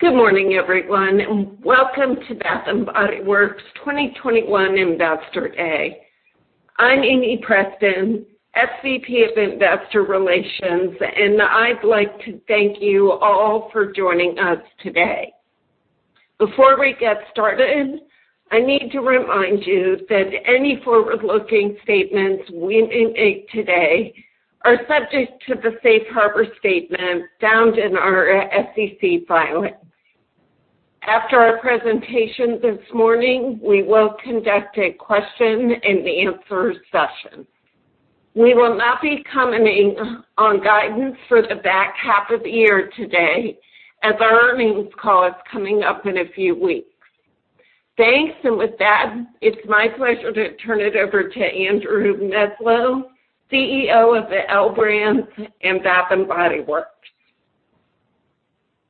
Good morning, everyone. Welcome to Bath & Body Works 2021 Investor Day. I'm Amie Preston, SVP of Investor Relations. I'd like to thank you all for joining us today. Before we get started, I need to remind you that any forward-looking statements we make today are subject to the safe harbor statement found in our SEC filing. After our presentation this morning, we will conduct a question and answer session. We will not be commenting on guidance for the back half of the year today, as our earnings call is coming up in a few weeks. Thanks. With that, it's my pleasure to turn it over to Andrew Meslow, CEO of L Brands and Bath & Body Works.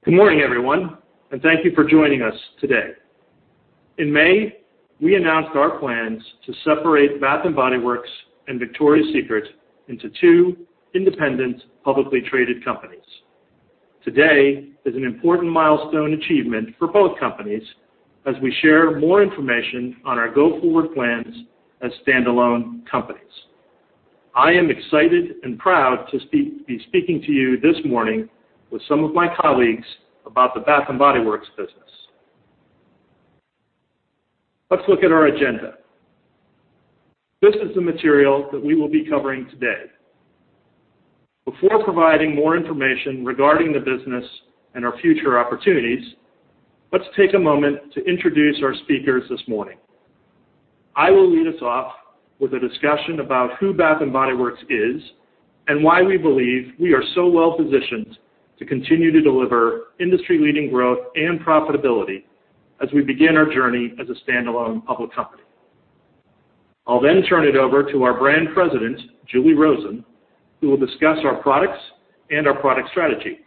Good morning, everyone, and thank you for joining us today. In May, we announced our plans to separate Bath & Body Works and Victoria's Secret into two independent, publicly traded companies. Today is an important milestone achievement for both companies as we share more information on our go-forward plans as standalone companies. I am excited and proud to be speaking to you this morning with some of my colleagues about the Bath & Body Works business. Let's look at our agenda. This is the material that we will be covering today. Before providing more information regarding the business and our future opportunities, let's take a moment to introduce our speakers this morning. I will lead us off with a discussion about who Bath & Body Works is and why we believe we are so well positioned to continue to deliver industry-leading growth and profitability as we begin our journey as a standalone public company. I'll turn it over to our brand president, Julie Rosen, who will discuss our products and our product strategy.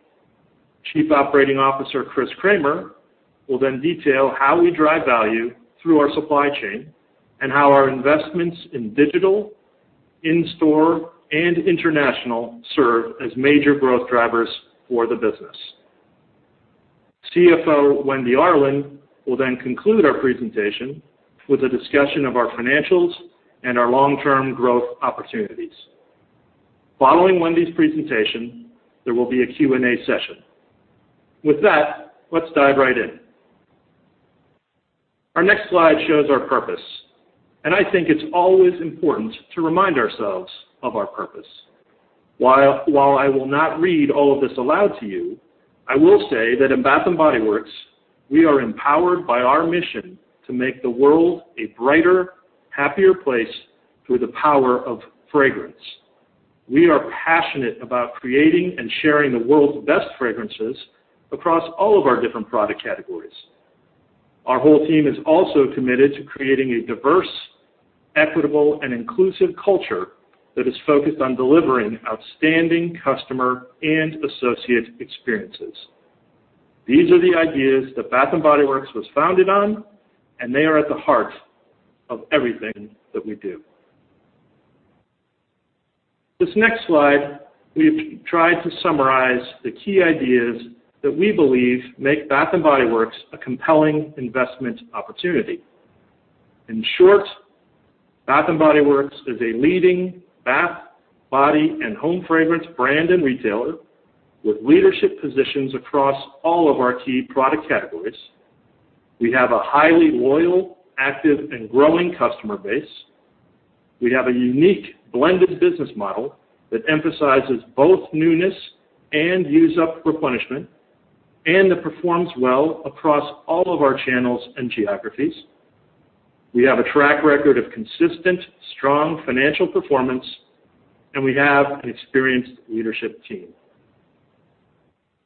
Chief Operating Officer, Chris Cramer, will detail how we drive value through our supply chain and how our investments in digital, in-store, and international serve as major growth drivers for the business. CFO Wendy Arlin will conclude our presentation with a discussion of our financials and our long-term growth opportunities. Following Wendy's presentation, there will be a Q&A session. With that, let's dive right in. Our next slide shows our purpose, and I think it's always important to remind ourselves of our purpose. While I will not read all of this aloud to you, I will say that in Bath & Body Works, we are empowered by our mission to make the world a brighter, happier place through the power of fragrance. We are passionate about creating and sharing the world's best fragrances across all of our different product categories. Our whole team is also committed to creating a diverse, equitable, and inclusive culture that is focused on delivering outstanding customer and associate experiences. These are the ideas that Bath & Body Works was founded on, and they are at the heart of everything that we do. This next slide, we've tried to summarize the key ideas that we believe make Bath & Body Works a compelling investment opportunity. In short, Bath & Body Works is a leading bath, body, and home fragrance brand and retailer with leadership positions across all of our key product categories. We have a highly loyal, active, and growing customer base. We have a unique blended business model that emphasizes both newness and use-up replenishment and that performs well across all of our channels and geographies. We have a track record of consistent, strong financial performance, and we have an experienced leadership team.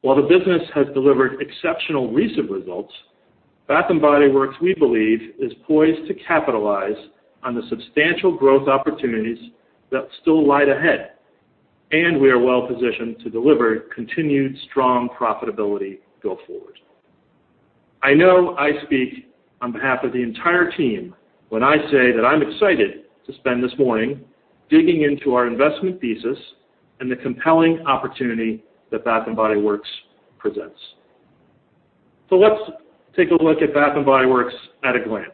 While the business has delivered exceptional recent results, Bath & Body Works, we believe, is poised to capitalize on the substantial growth opportunities that still lie ahead, and we are well positioned to deliver continued strong profitability go forward. I know I speak on behalf of the entire team when I say that I am excited to spend this morning digging into our investment thesis and the compelling opportunity that Bath & Body Works presents. Let's take a look at Bath & Body Works at a glance.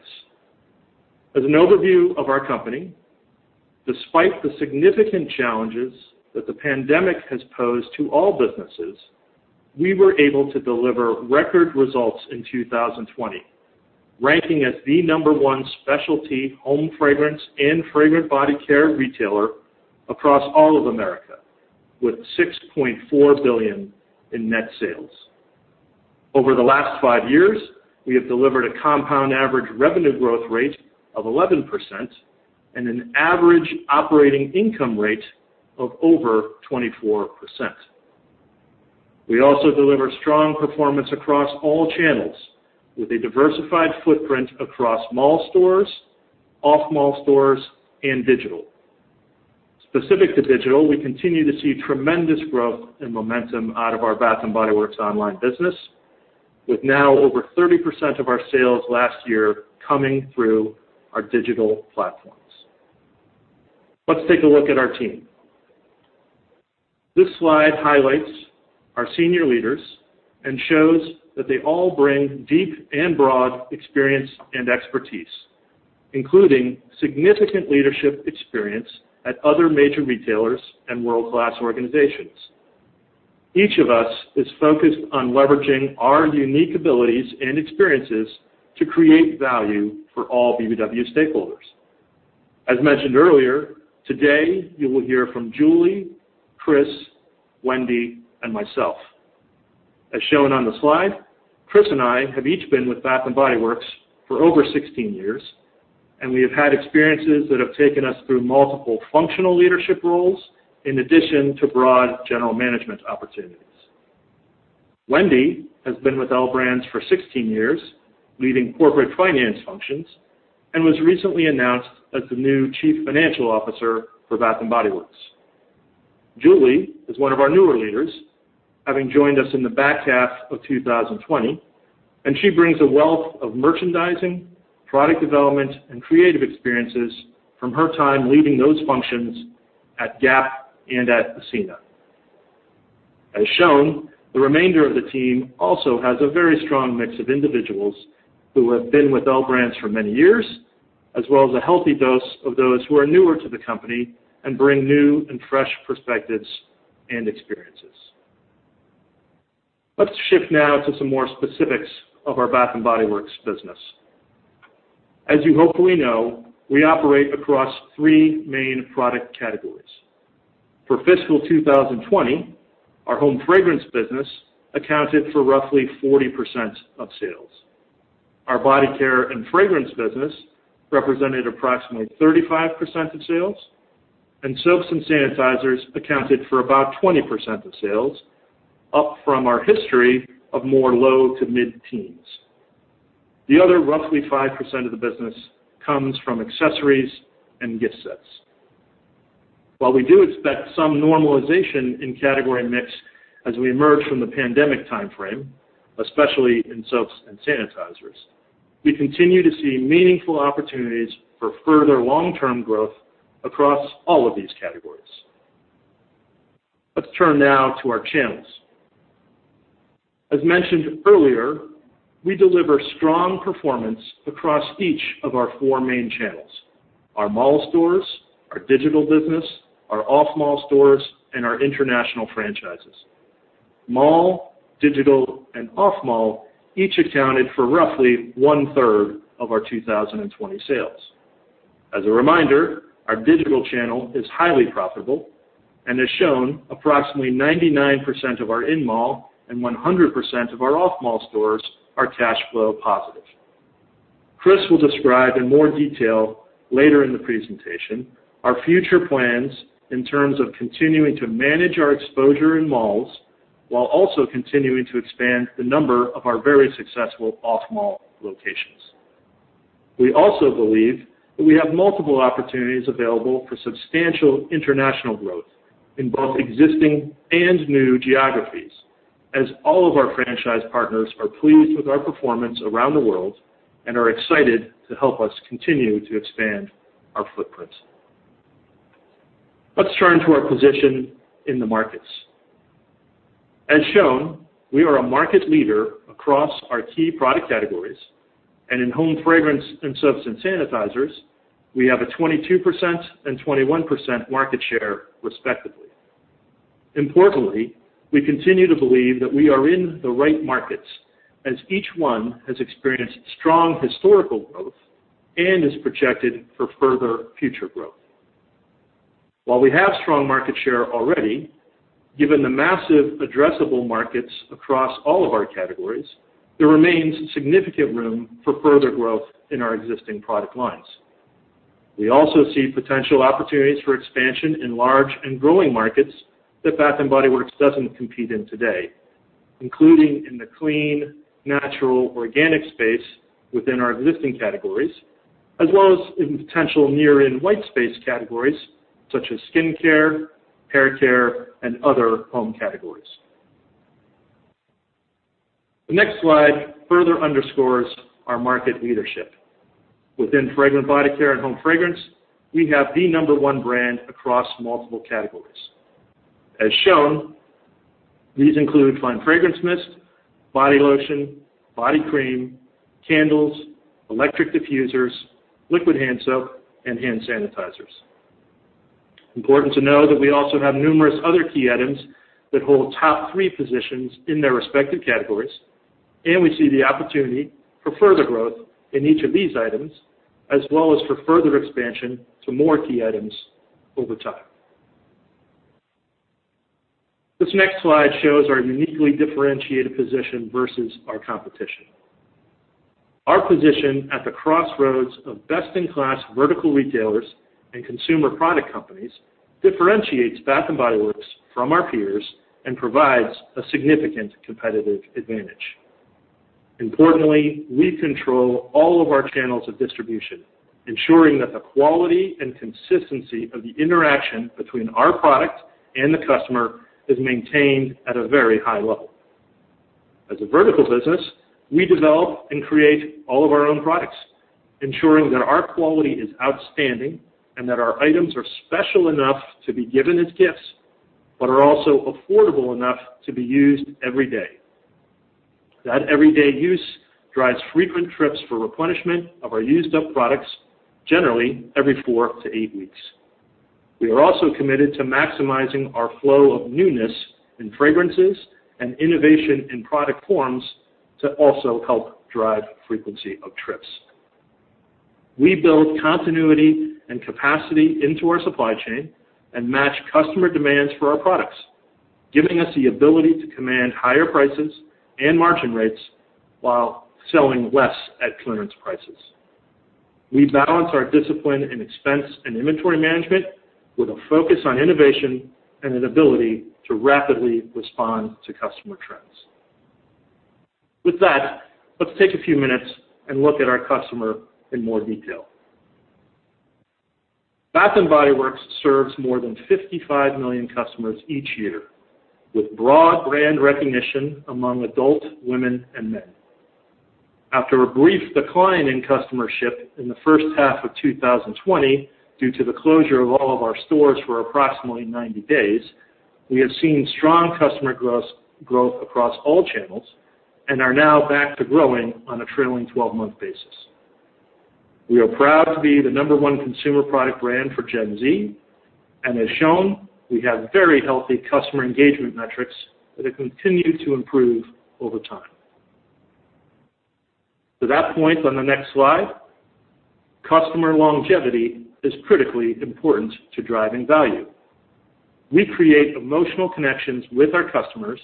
As an overview of our company, despite the significant challenges that the pandemic has posed to all businesses, we were able to deliver record results in 2020, ranking as the number one specialty home fragrance and fragrance body care retailer across all of America, with $6.4 billion in net sales. Over the last five years, we have delivered a compound average revenue growth rate of 11% and an average operating income rate of over 24%. We also deliver strong performance across all channels with a diversified footprint across mall stores, off-mall stores, and digital. Specific to digital, we continue to see tremendous growth and momentum out of our Bath & Body Works online business, with now over 30% of our sales last year coming through our digital platforms. Let's take a look at our team. This slide highlights our senior leaders and shows that they all bring deep and broad experience and expertise, including significant leadership experience at other major retailers and world-class organizations. Each of us is focused on leveraging our unique abilities and experiences to create value for all BBW stakeholders. As mentioned earlier, today you will hear from Julie, Chris, Wendy, and myself. As shown on the slide, Chris and I have each been with Bath & Body Works for over 16 years, and we have had experiences that have taken us through multiple functional leadership roles, in addition to broad general management opportunities. Wendy has been with L Brands for 16 years, leading corporate finance functions, and was recently announced as the new Chief Financial Officer for Bath & Body Works. Julie is one of our newer leaders, having joined us in the back half of 2020, and she brings a wealth of merchandising, product development, and creative experiences from her time leading those functions at Gap and at Ascena. As shown, the remainder of the team also has a very strong mix of individuals who have been with L Brands for many years, as well as a healthy dose of those who are newer to the company and bring new and fresh perspectives and experiences. Let's shift now to some more specifics of our Bath & Body Works business. As you hopefully know, we operate across three main product categories. For fiscal 2020, our home fragrance business accounted for roughly 40% of sales. Our body care and fragrance business represented approximately 35% of sales, and soaps and sanitizers accounted for about 20% of sales, up from our history of more low to mid-teens. The other roughly 5% of the business comes from accessories and gift sets. While we do expect some normalization in category mix as we emerge from the pandemic timeframe, especially in soaps and sanitizers, we continue to see meaningful opportunities for further long-term growth across all of these categories. Let's turn now to our channels. As mentioned earlier, we deliver strong performance across each of our four main channels, our mall stores, our digital business, our off-mall stores, and our international franchises. Mall, digital, and off-mall each accounted for roughly 1/3 of our 2020 sales. As a reminder, our digital channel is highly profitable and, as shown, approximately 99% of our in-mall and 100% of our off-mall stores are cash flow positive. Chris will describe in more detail later in the presentation our future plans in terms of continuing to manage our exposure in malls while also continuing to expand the number of our very successful off-mall locations. We also believe that we have multiple opportunities available for substantial international growth in both existing and new geographies, as all of our franchise partners are pleased with our performance around the world and are excited to help us continue to expand our footprint. Let's turn to our position in the markets. As shown, we are a market leader across our key product categories. In home fragrance and soaps and sanitizers, we have a 22% and 21% market share, respectively. Importantly, we continue to believe that we are in the right markets as each one has experienced strong historical growth and is projected for further future growth. While we have strong market share already, given the massive addressable markets across all of our categories, there remains significant room for further growth in our existing product lines. We also see potential opportunities for expansion in large and growing markets that Bath & Body Works doesn't compete in today, including in the clean, natural, organic space within our existing categories, as well as in potential near and white space categories such as skincare, haircare, and other home categories. The next slide further underscores our market leadership. Within fragrant body care and home fragrance, we have the number one brand across multiple categories. As shown, these include Fine Fragrance Mist, body lotion, body cream, candles, electric diffusers, liquid hand soap, and hand sanitizers. Important to know that we also have numerous other key items that hold top three positions in their respective categories, and we see the opportunity for further growth in each of these items, as well as for further expansion to more key items over time. This next slide shows our uniquely differentiated position versus our competition. Our position at the crossroads of best-in-class vertical retailers and consumer product companies differentiates Bath & Body Works from our peers and provides a significant competitive advantage. Importantly, we control all of our channels of distribution, ensuring that the quality and consistency of the interaction between our product and the customer is maintained at a very high level. As a vertical business, we develop and create all of our own products, ensuring that our quality is outstanding and that our items are special enough to be given as gifts, but are also affordable enough to be used every day. That everyday use drives frequent trips for replenishment of our used up products, generally every four to eight weeks. We are also committed to maximizing our flow of newness in fragrances and innovation in product forms to also help drive frequency of trips. We build continuity and capacity into our supply chain and match customer demands for our products, giving us the ability to command higher prices and margin rates while selling less at clearance prices. We balance our discipline and expense and inventory management with a focus on innovation and an ability to rapidly respond to customer trends. With that, let's take a few minutes and look at our customer in more detail. Bath & Body Works serves more than 55 million customers each year with broad brand recognition among adult women and men. After a brief decline in customership in the first half of 2020, due to the closure of all of our stores for approximately 90 days, we have seen strong customer growth across all channels and are now back to growing on a trailing 12-month basis. We are proud to be the number one consumer product brand for Gen Z, and as shown, we have very healthy customer engagement metrics that have continued to improve over time. To that point, on the next slide, customer longevity is critically important to driving value. We create emotional connections with our customers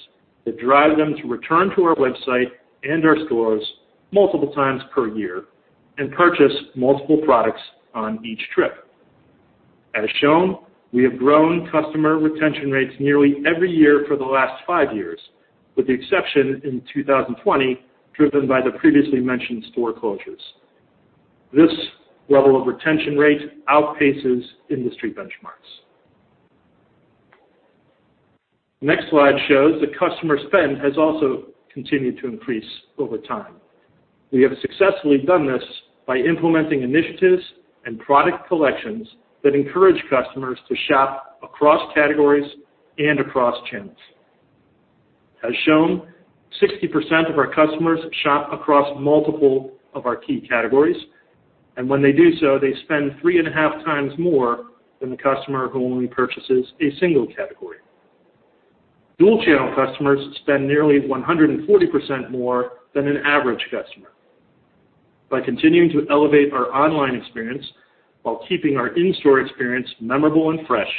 that drive them to return to our website and our stores multiple times per year and purchase multiple products on each trip. As shown, we have grown customer retention rates nearly every year for the last five years, with the exception in 2020, driven by the previously mentioned store closures. This level of retention rate outpaces industry benchmarks. Next slide shows that customer spend has also continued to increase over time. We have successfully done this by implementing initiatives and product collections that encourage customers to shop across categories and across channels. As shown, 60% of our customers shop across multiple of our key categories, and when they do so, they spend 3.5x more than the customer who only purchases a single category. Dual-channel customers spend nearly 140% more than an average customer. By continuing to elevate our online experience while keeping our in-store experience memorable and fresh,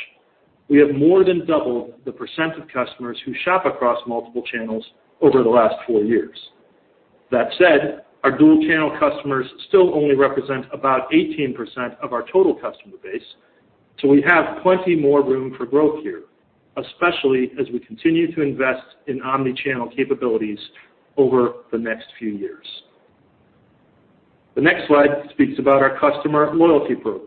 we have more than doubled the percent of customers who shop across multiple channels over the last four years. That said, our dual-channel customers still only represent about 18% of our total customer base, so we have plenty more room for growth here, especially as we continue to invest in omni-channel capabilities over the next few years. The next slide speaks about our customer loyalty program.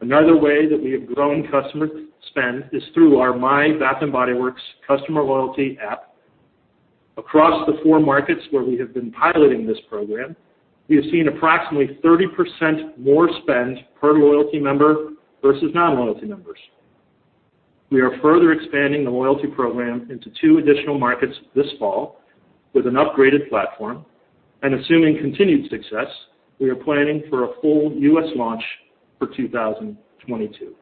Another way that we have grown customer spend is through our My Bath & Body Works customer loyalty app. Across the four markets where we have been piloting this program, we have seen approximately 30% more spend per loyalty member versus non-loyalty members. We are further expanding the loyalty program into two additional markets this fall with an upgraded platform, and assuming continued success, we are planning for a full U.S. launch for 2022.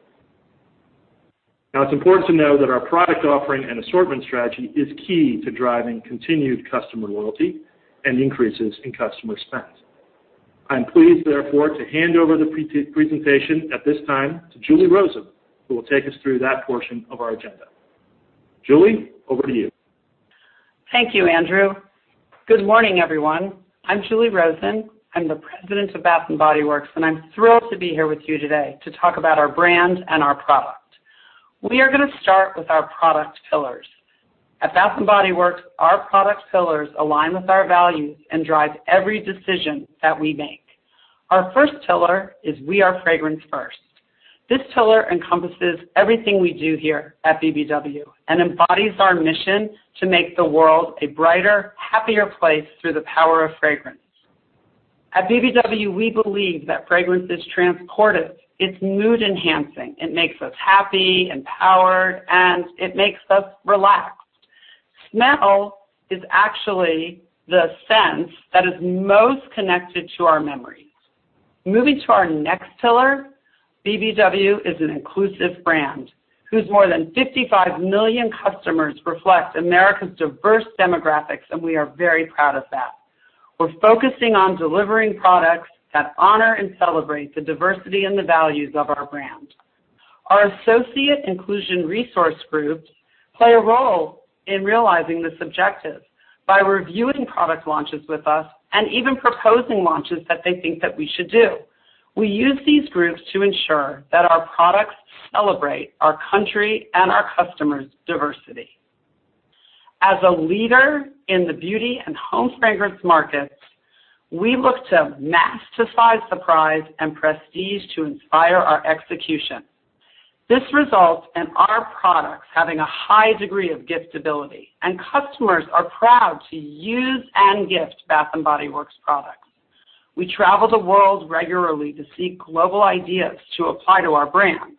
Now, it's important to know that our product offering and assortment strategy is key to driving continued customer loyalty and increases in customer spend. I am pleased, therefore, to hand over the presentation at this time to Julie Rosen, who will take us through that portion of our agenda. Julie, over to you. Thank you, Andrew. Good morning, everyone. I'm Julie Rosen. I'm the President of Bath & Body Works, and I'm thrilled to be here with you today to talk about our brand and our product. We are going to start with our product pillars. At Bath & Body Works, our product pillars align with our values and drive every decision that we make. Our first pillar is we are fragrance first. This pillar encompasses everything we do here at BBW and embodies our mission to make the world a brighter, happier place through the power of fragrance. At BBW, we believe that fragrance is transportive, it's mood-enhancing. It makes us happy, empowered, and it makes us relaxed. Smell is actually the sense that is most connected to our memories. Moving to our next pillar, BBW is an inclusive brand whose more than 55 million customers reflect America's diverse demographics. We are very proud of that. We're focusing on delivering products that honor and celebrate the diversity and the values of our brand. Our associate inclusion resource groups play a role in realizing this objective by reviewing product launches with us and even proposing launches that they think that we should do. We use these groups to ensure that our products celebrate our country and our customers' diversity. As a leader in the beauty and home fragrance markets, we look to magnify surprise and prestige to inspire our execution. This results in our products having a high degree of giftability. Customers are proud to use and gift Bath & Body Works products. We travel the world regularly to seek global ideas to apply to our brand.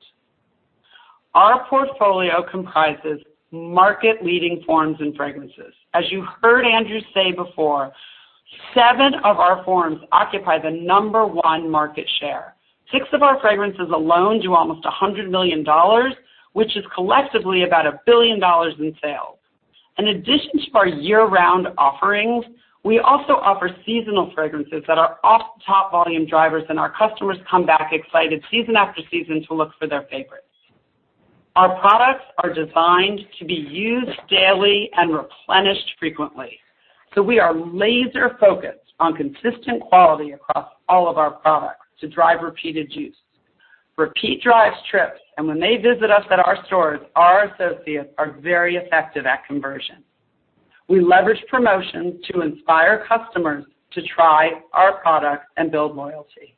Our portfolio comprises market-leading forms and fragrances. As you heard Andrew say before, seven of our forms occupy the number one market share. Six of our fragrances alone do almost $100 million, which is collectively about $1 billion in sales. In addition to our year-round offerings, we also offer seasonal fragrances that are often top volume drivers, and our customers come back excited season after season to look for their favorites. Our products are designed to be used daily and replenished frequently. We are laser-focused on consistent quality across all of our products to drive repeated use. Repeat drives trips, and when they visit us at our stores, our associates are very effective at conversion. We leverage promotions to inspire customers to try our products and build loyalty.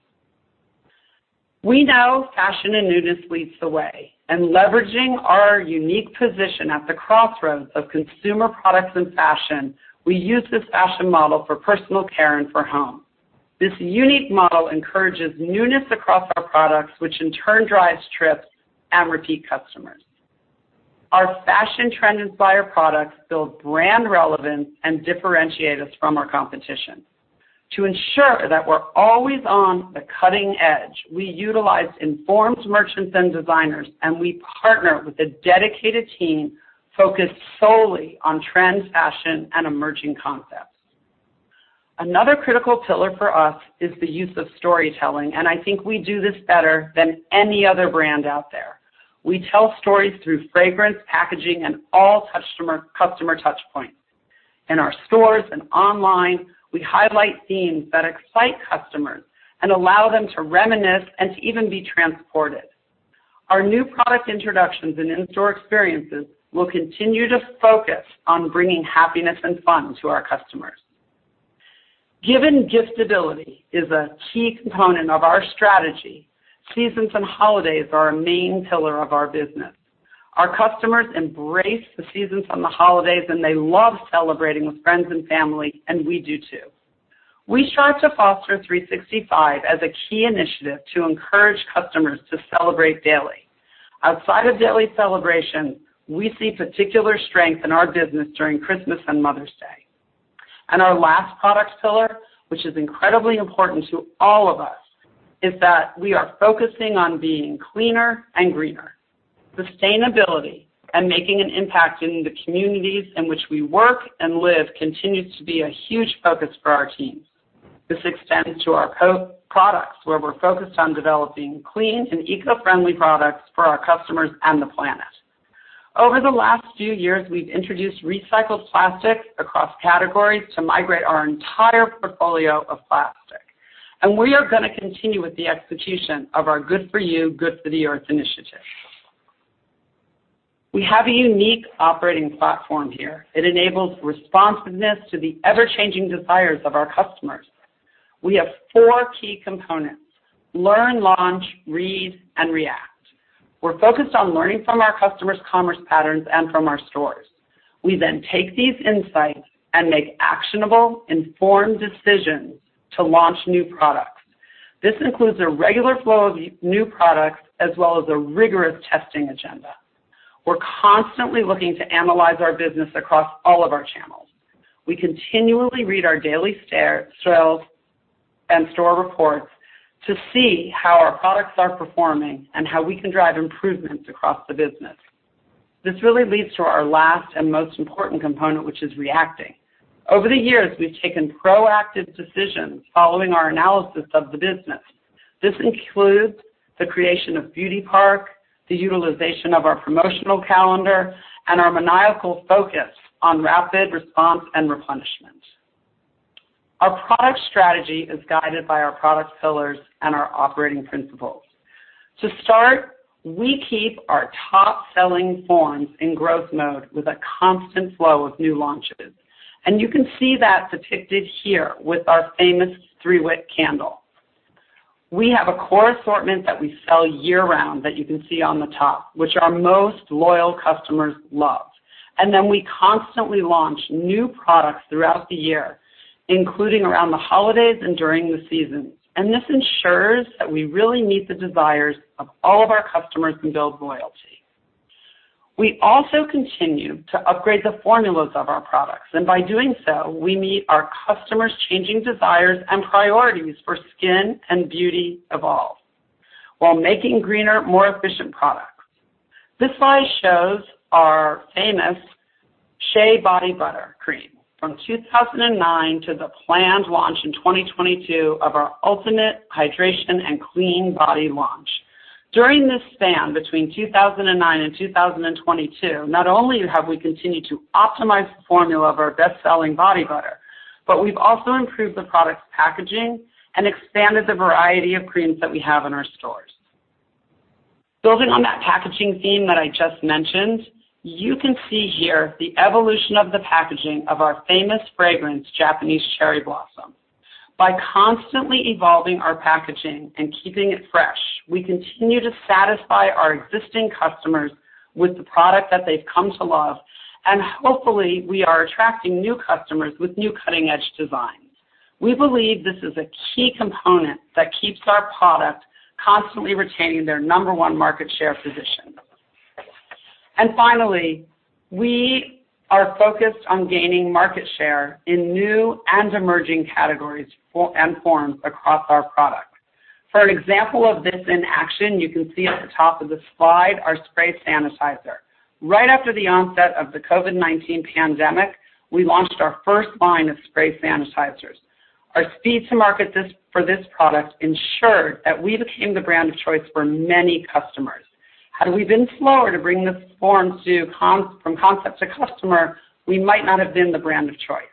We know fashion and newness leads the way. Leveraging our unique position at the crossroads of consumer products and fashion, we use this fashion model for personal care and for home. This unique model encourages newness across our products, which in turn drives trips and repeat customers. Our fashion trend inspire products build brand relevance and differentiate us from our competition. To ensure that we're always on the cutting edge, we utilize informed merchants and designers. We partner with a dedicated team focused solely on trend, fashion, and emerging concepts. Another critical pillar for us is the use of storytelling. I think we do this better than any other brand out there. We tell stories through fragrance, packaging, and all customer touchpoints. In our stores and online, we highlight themes that excite customers and allow them to reminisce and to even be transported. Our new product introductions and in-store experiences will continue to focus on bringing happiness and fun to our customers. Given giftability is a key component of our strategy, seasons and holidays are a main pillar of our business. Our customers embrace the seasons and the holidays, and they love celebrating with friends and family, and we do too. We strive to foster 365 as a key initiative to encourage customers to celebrate daily. Outside of daily celebration, we see particular strength in our business during Christmas and Mother's Day. Our last product pillar, which is incredibly important to all of us, is that we are focusing on being cleaner and greener. Sustainability and making an impact in the communities in which we work and live continues to be a huge focus for our teams. This extends to our products, where we're focused on developing clean and eco-friendly products for our customers and the planet. Over the last few years, we've introduced recycled plastics across categories to migrate our entire portfolio of plastic. We are going to continue with the execution of our Good For You, Good For The Earth initiative. We have a unique operating platform here. It enables responsiveness to the ever-changing desires of our customers. We have four key components: learn, launch, read, and react. We're focused on learning from our customers' commerce patterns and from our stores. We take these insights and make actionable, informed decisions to launch new products. This includes a regular flow of new products as well as a rigorous testing agenda. We're constantly looking to analyze our business across all of our channels. We continually read our daily sales and store reports to see how our products are performing and how we can drive improvements across the business. This really leads to our last and most important component, which is reacting. Over the years, we've taken proactive decisions following our analysis of the business. This includes the creation of Beauty Park, the utilization of our promotional calendar, and our maniacal focus on rapid response and replenishment. Our product strategy is guided by our product pillars and our operating principles. To start, we keep our top-selling forms in growth mode with a constant flow of new launches. You can see that depicted here with our famous 3-Wick Candle. We have a core assortment that we sell year-round that you can see on the top, which our most loyal customers love. We constantly launch new products throughout the year, including around the holidays and during the seasons. This ensures that we really meet the desires of all of our customers and build loyalty. We also continue to upgrade the formulas of our products, and by doing so, we meet our customers' changing desires and priorities for skin and beauty evolve while making greener, more efficient products. This slide shows our famous Shea Body Butter cream from 2009 to the planned launch in 2022 of our Ultimate Hydration and Clean Body launch. During this span, between 2009 and 2022, not only have we continued to optimize the formula of our best-selling body butter, but we've also improved the product's packaging and expanded the variety of creams that we have in our stores. Building on that packaging theme that I just mentioned, you can see here the evolution of the packaging of our famous fragrance, Japanese Cherry Blossom. By constantly evolving our packaging and keeping it fresh, we continue to satisfy our existing customers with the product that they've come to love, and hopefully, we are attracting new customers with new cutting-edge designs. We believe this is a key component that keeps our product constantly retaining their number one market share position. Finally, we are focused on gaining market share in new and emerging categories and forms across our product. For an example of this in action, you can see at the top of the slide, our spray sanitizer. Right after the onset of the COVID-19 pandemic, we launched our first line of spray sanitizers. Our speed to market for this product ensured that we became the brand of choice for many customers. Had we been slower to bring this form from concept to customer, we might not have been the brand of choice.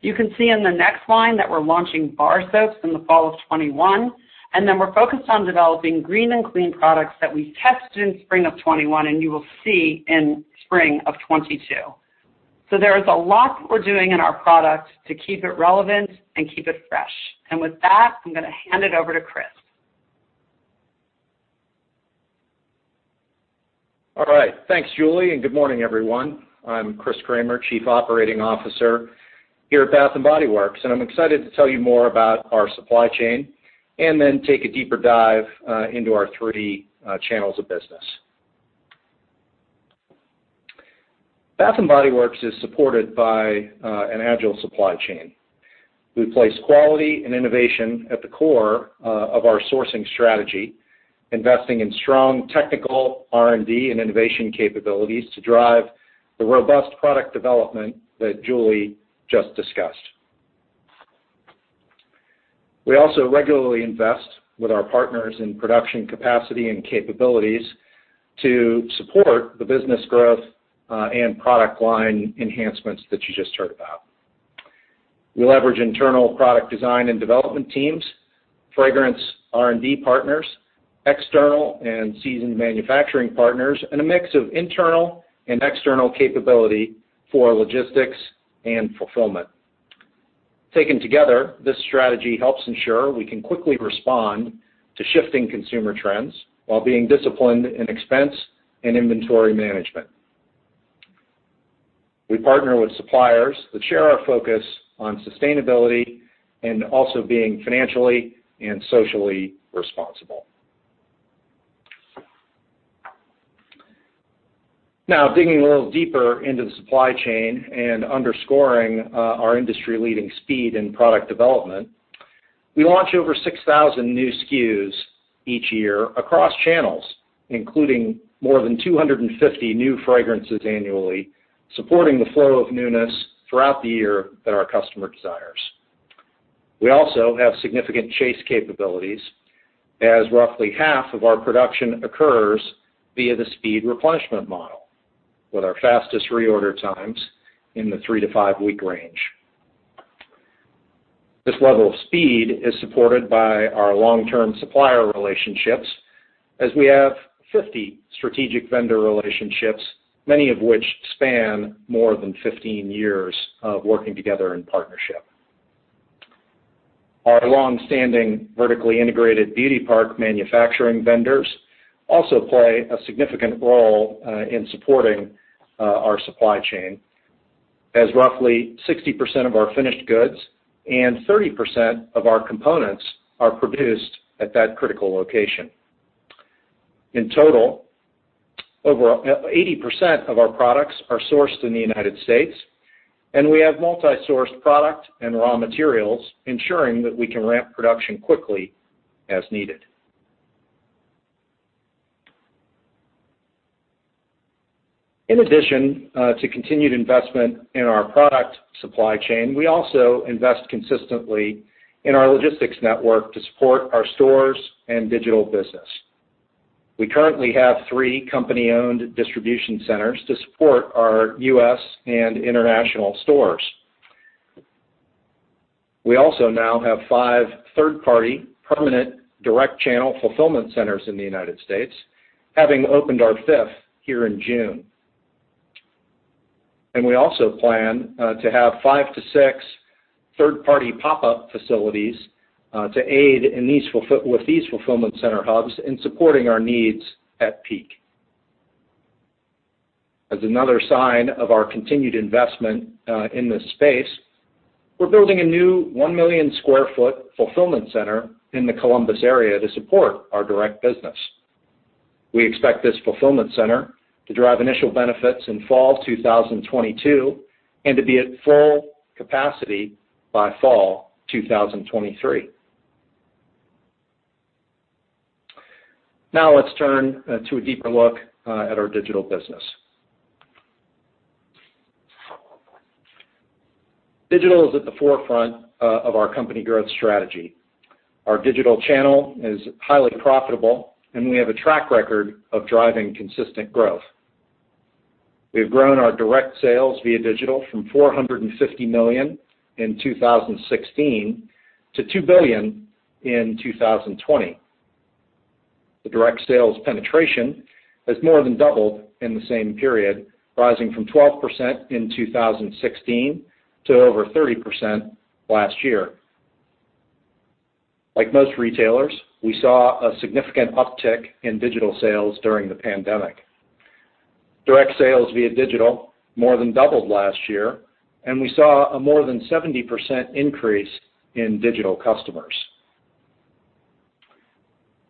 You can see in the next line that we're launching bar soaps in the fall of 2021, and then we're focused on developing green and clean products that we tested in spring of 2021, and you will see in spring of 2022. There is a lot we're doing in our product to keep it relevant and keep it fresh. With that, I'm going to hand it over to Chris. Thanks, Julie, and good morning, everyone. I'm Chris Cramer, Chief Operating Officer here at Bath & Body Works, and I'm excited to tell you more about our supply chain and then take a deeper dive into our three channels of business. Bath & Body Works is supported by an agile supply chain. We place quality and innovation at the core of our sourcing strategy, investing in strong technical R&D and innovation capabilities to drive the robust product development that Julie just discussed. We also regularly invest with our partners in production capacity and capabilities to support the business growth and product line enhancements that you just heard about. We leverage internal product design and development teams, fragrance R&D partners, external and seasoned manufacturing partners, and a mix of internal and external capability for logistics and fulfillment. Taken together, this strategy helps ensure we can quickly respond to shifting consumer trends while being disciplined in expense and inventory management. We partner with suppliers that share our focus on sustainability and also being financially and socially responsible. Now, digging a little deeper into the supply chain and underscoring our industry-leading speed and product development, we launch over 6,000 new SKUs each year across channels, including more than 250 new fragrances annually, supporting the flow of newness throughout the year that our customer desires. We also have significant chase capabilities as roughly half of our production occurs via the speed replenishment model, with our fastest reorder times in the three to five-week range. This level of speed is supported by our long-term supplier relationships as we have 50 strategic vendor relationships, many of which span more than 15 years of working together in partnership. Our longstanding vertically integrated Beauty Park manufacturing vendors also play a significant role in supporting our supply chain, as roughly 60% of our finished goods and 30% of our components are produced at that critical location. In total, over 80% of our products are sourced in the United States, and we have multi-sourced product and raw materials, ensuring that we can ramp production quickly as needed. In addition to continued investment in our product supply chain, we also invest consistently in our logistics network to support our stores and digital business. We currently have three company-owned distribution centers to support our U.S. and international stores. We also now have five third-party permanent direct channel fulfillment centers in the U.S., having opened our fifth here in June. We also plan to have five-six third-party pop-up facilities to aid with these fulfillment center hubs in supporting our needs at peak. As another sign of our continued investment in this space, we're building a new 1 million sq ft fulfillment center in the Columbus area to support our direct business. We expect this fulfillment center to drive initial benefits in fall 2022 and to be at full capacity by fall 2023. Let's turn to a deeper look at our digital business. Digital is at the forefront of our company growth strategy. Our digital channel is highly profitable, and we have a track record of driving consistent growth. We've grown our direct sales via digital from $450 million in 2016 to $2 billion in 2020. The direct sales penetration has more than doubled in the same period, rising from 12% in 2016 to over 30% last year. Like most retailers, we saw a significant uptick in digital sales during the pandemic. Direct sales via digital more than doubled last year, and we saw a more than 70% increase in digital customers.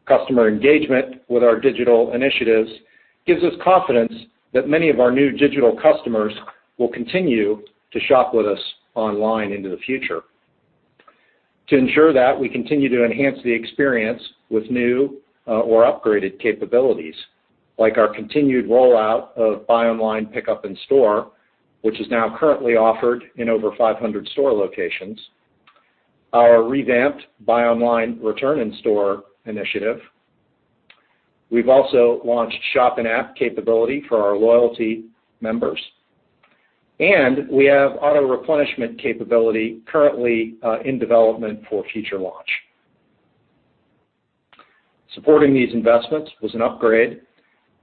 Customer engagement with our digital initiatives gives us confidence that many of our new digital customers will continue to shop with us online into the future. To ensure that, we continue to enhance the experience with new or upgraded capabilities, like our continued rollout of buy online, pickup in store, which is now currently offered in over 500 store locations, our revamped buy online, return in-store initiative. We've also launched shop-in-app capability for our loyalty members, and we have auto-replenishment capability currently in development for future launch. Supporting these investments was an upgrade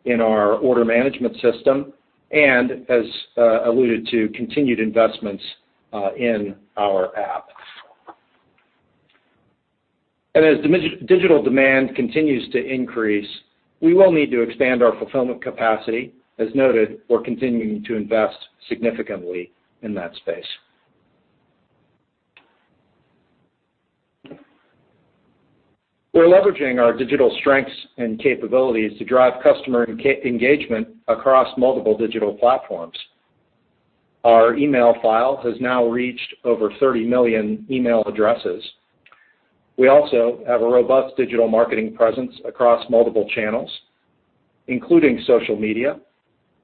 in our order management system and, as alluded to, continued investments in our app. As digital demand continues to increase, we will need to expand our fulfillment capacity. As noted, we're continuing to invest significantly in that space. We're leveraging our digital strengths and capabilities to drive customer engagement across multiple digital platforms. Our email file has now reached over 30 million email addresses. We also have a robust digital marketing presence across multiple channels, including social media,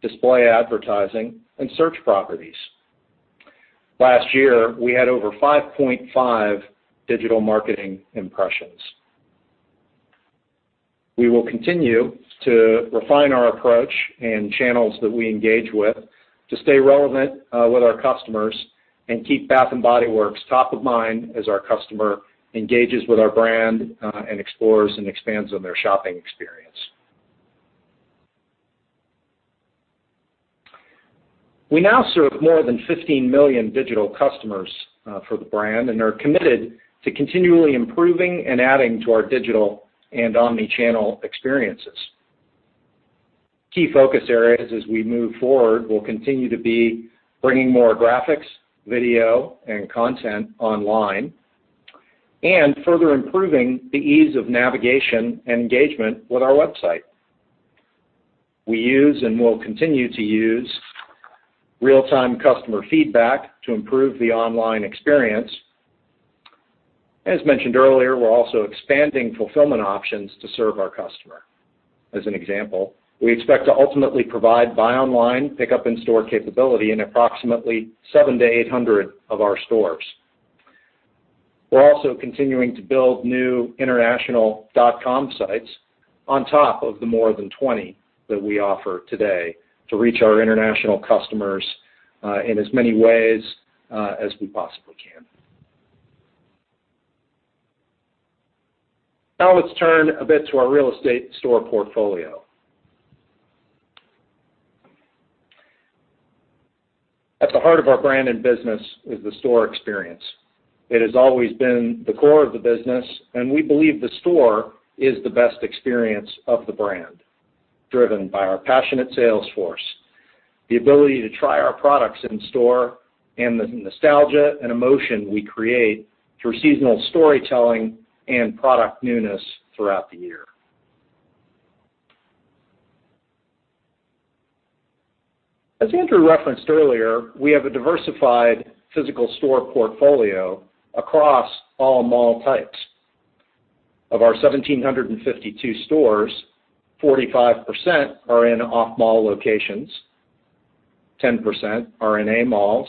display advertising, and search properties. Last year, we had over 5.5 million digital marketing impressions. We will continue to refine our approach and channels that we engage with to stay relevant with our customers and keep Bath & Body Works top of mind as our customer engages with our brand and explores and expands on their shopping experience. We now serve more than 15 million digital customers for the brand and are committed to continually improving and adding to our digital and omni-channel experiences. Key focus areas as we move forward will continue to be bringing more graphics, video, and content online and further improving the ease of navigation and engagement with our website. We use and will continue to use real-time customer feedback to improve the online experience. As mentioned earlier, we're also expanding fulfillment options to serve our customer. As an example, we expect to ultimately provide buy online, pickup in-store capability in approximately 700-800 of our stores. We're also continuing to build new international dot-com sites on top of the more than 20 that we offer today to reach our international customers in as many ways as we possibly can. Let's turn a bit to our real estate store portfolio. At the heart of our brand and business is the store experience. It has always been the core of the business, and we believe the store is the best experience of the brand, driven by our passionate sales force, the ability to try our products in store, and the nostalgia and emotion we create through seasonal storytelling and product newness throughout the year. As Andrew referenced earlier, we have a diversified physical store portfolio across all mall types. Of our 1,752 stores, 45% are in off-mall locations, 10% are in A malls,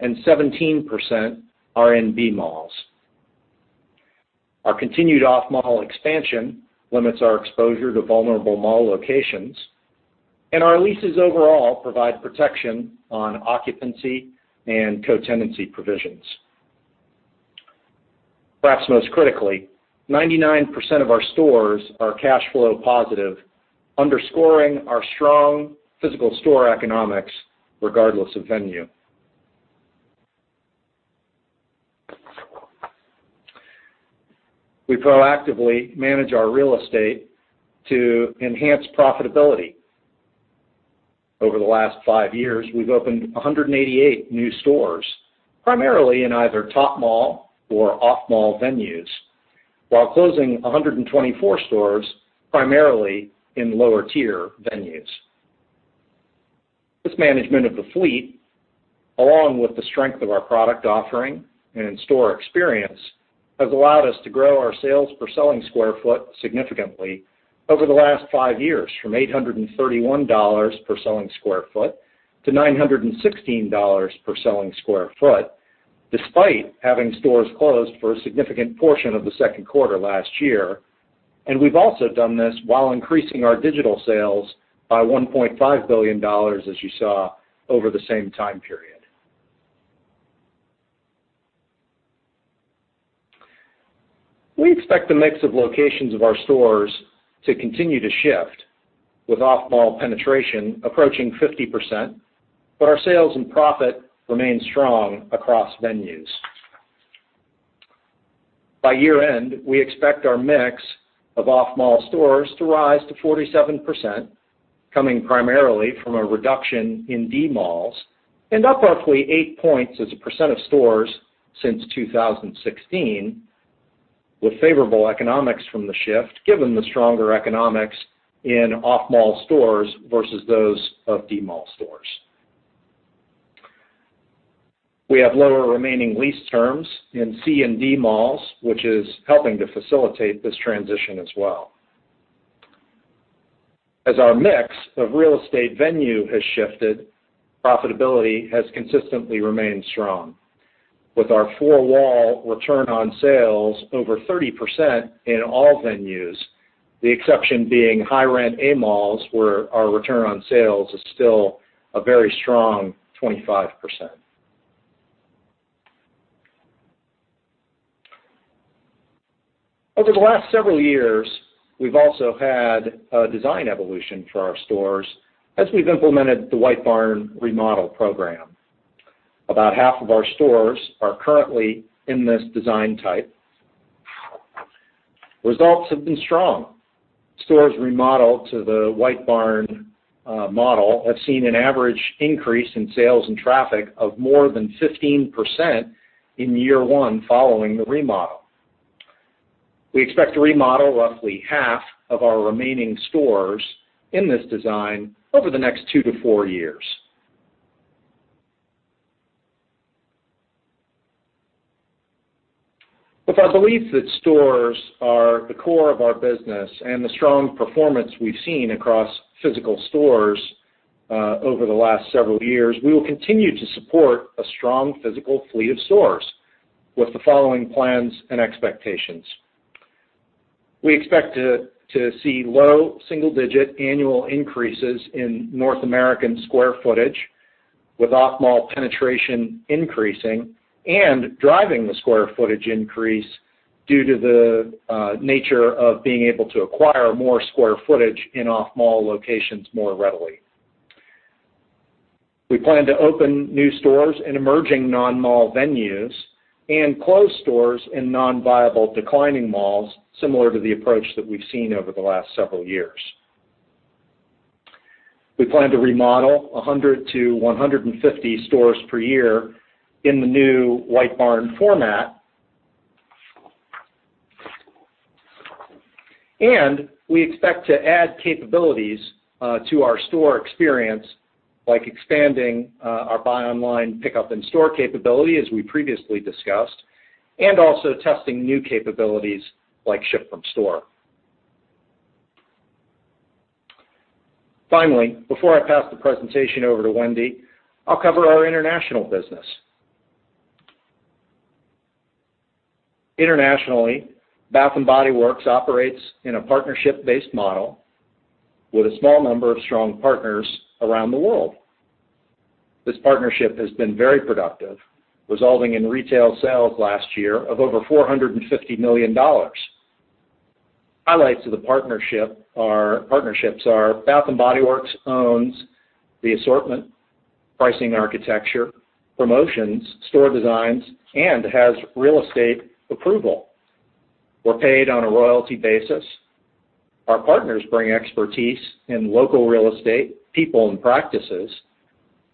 and 17% are in B malls. Our continued off-mall expansion limits our exposure to vulnerable mall locations, and our leases overall provide protection on occupancy and co-tenancy provisions. Perhaps most critically, 99% of our stores are cash flow positive, underscoring our strong physical store economics regardless of venue. We proactively manage our real estate to enhance profitability. Over the last five years, we've opened 188 new stores, primarily in either top mall or off-mall venues, while closing 124 stores, primarily in lower-tier venues. This management of the fleet, along with the strength of our product offering and in-store experience, has allowed us to grow our sales per selling square foot significantly over the last five years from $831 per selling square foot to $916 per selling square foot, despite having stores closed for a significant portion of the second quarter last year. We've also done this while increasing our digital sales by $1.5 billion, as you saw, over the same time period. We expect the mix of locations of our stores to continue to shift, with off-mall penetration approaching 50%, but our sales and profit remain strong across venues. By year-end, we expect our mix of off-mall stores to rise to 47%, coming primarily from a reduction in D-malls and up roughly 8 points as a percent of stores since 2016, with favorable economics from the shift, given the stronger economics in off-mall stores versus those of D-mall stores. We have lower remaining lease terms in C and D malls, which is helping to facilitate this transition as well. As our mix of real estate venue has shifted, profitability has consistently remained strong, with our four-wall return on sales over 30% in all venues, the exception being high-rent A malls, where our return on sales is still a very strong 25%. Over the last several years, we've also had a design evolution for our stores as we've implemented the White Barn remodel program. About half of our stores are currently in this design type. Results have been strong. Stores remodeled to the White Barn model have seen an average increase in sales and traffic of more than 15% in year one following the remodel. We expect to remodel roughly half of our remaining stores in this design over the next two to four years. With our belief that stores are the core of our business and the strong performance we've seen across physical stores over the last several years, we will continue to support a strong physical fleet of stores with the following plans and expectations. We expect to see low single-digit annual increases in North American square footage, with off-mall penetration increasing and driving the square footage increase due to the nature of being able to acquire more square footage in off-mall locations more readily. We plan to open new stores in emerging non-mall venues and close stores in non-viable declining malls, similar to the approach that we've seen over the last several years. We plan to remodel 100 to 150 stores per year in the new White Barn format. We expect to add capabilities to our store experience, like expanding our buy online, pickup in-store capability, as we previously discussed, and also testing new capabilities like ship from store. Finally, before I pass the presentation over to Wendy, I'll cover our international business. Internationally, Bath & Body Works operates in a partnership-based model with a small number of strong partners around the world. This partnership has been very productive, resulting in retail sales last year of over $450 million. Highlights of the partnerships are Bath & Body Works owns the assortment, pricing architecture, promotions, store designs, and has real estate approval. We're paid on a royalty basis. Our partners bring expertise in local real estate, people, and practices.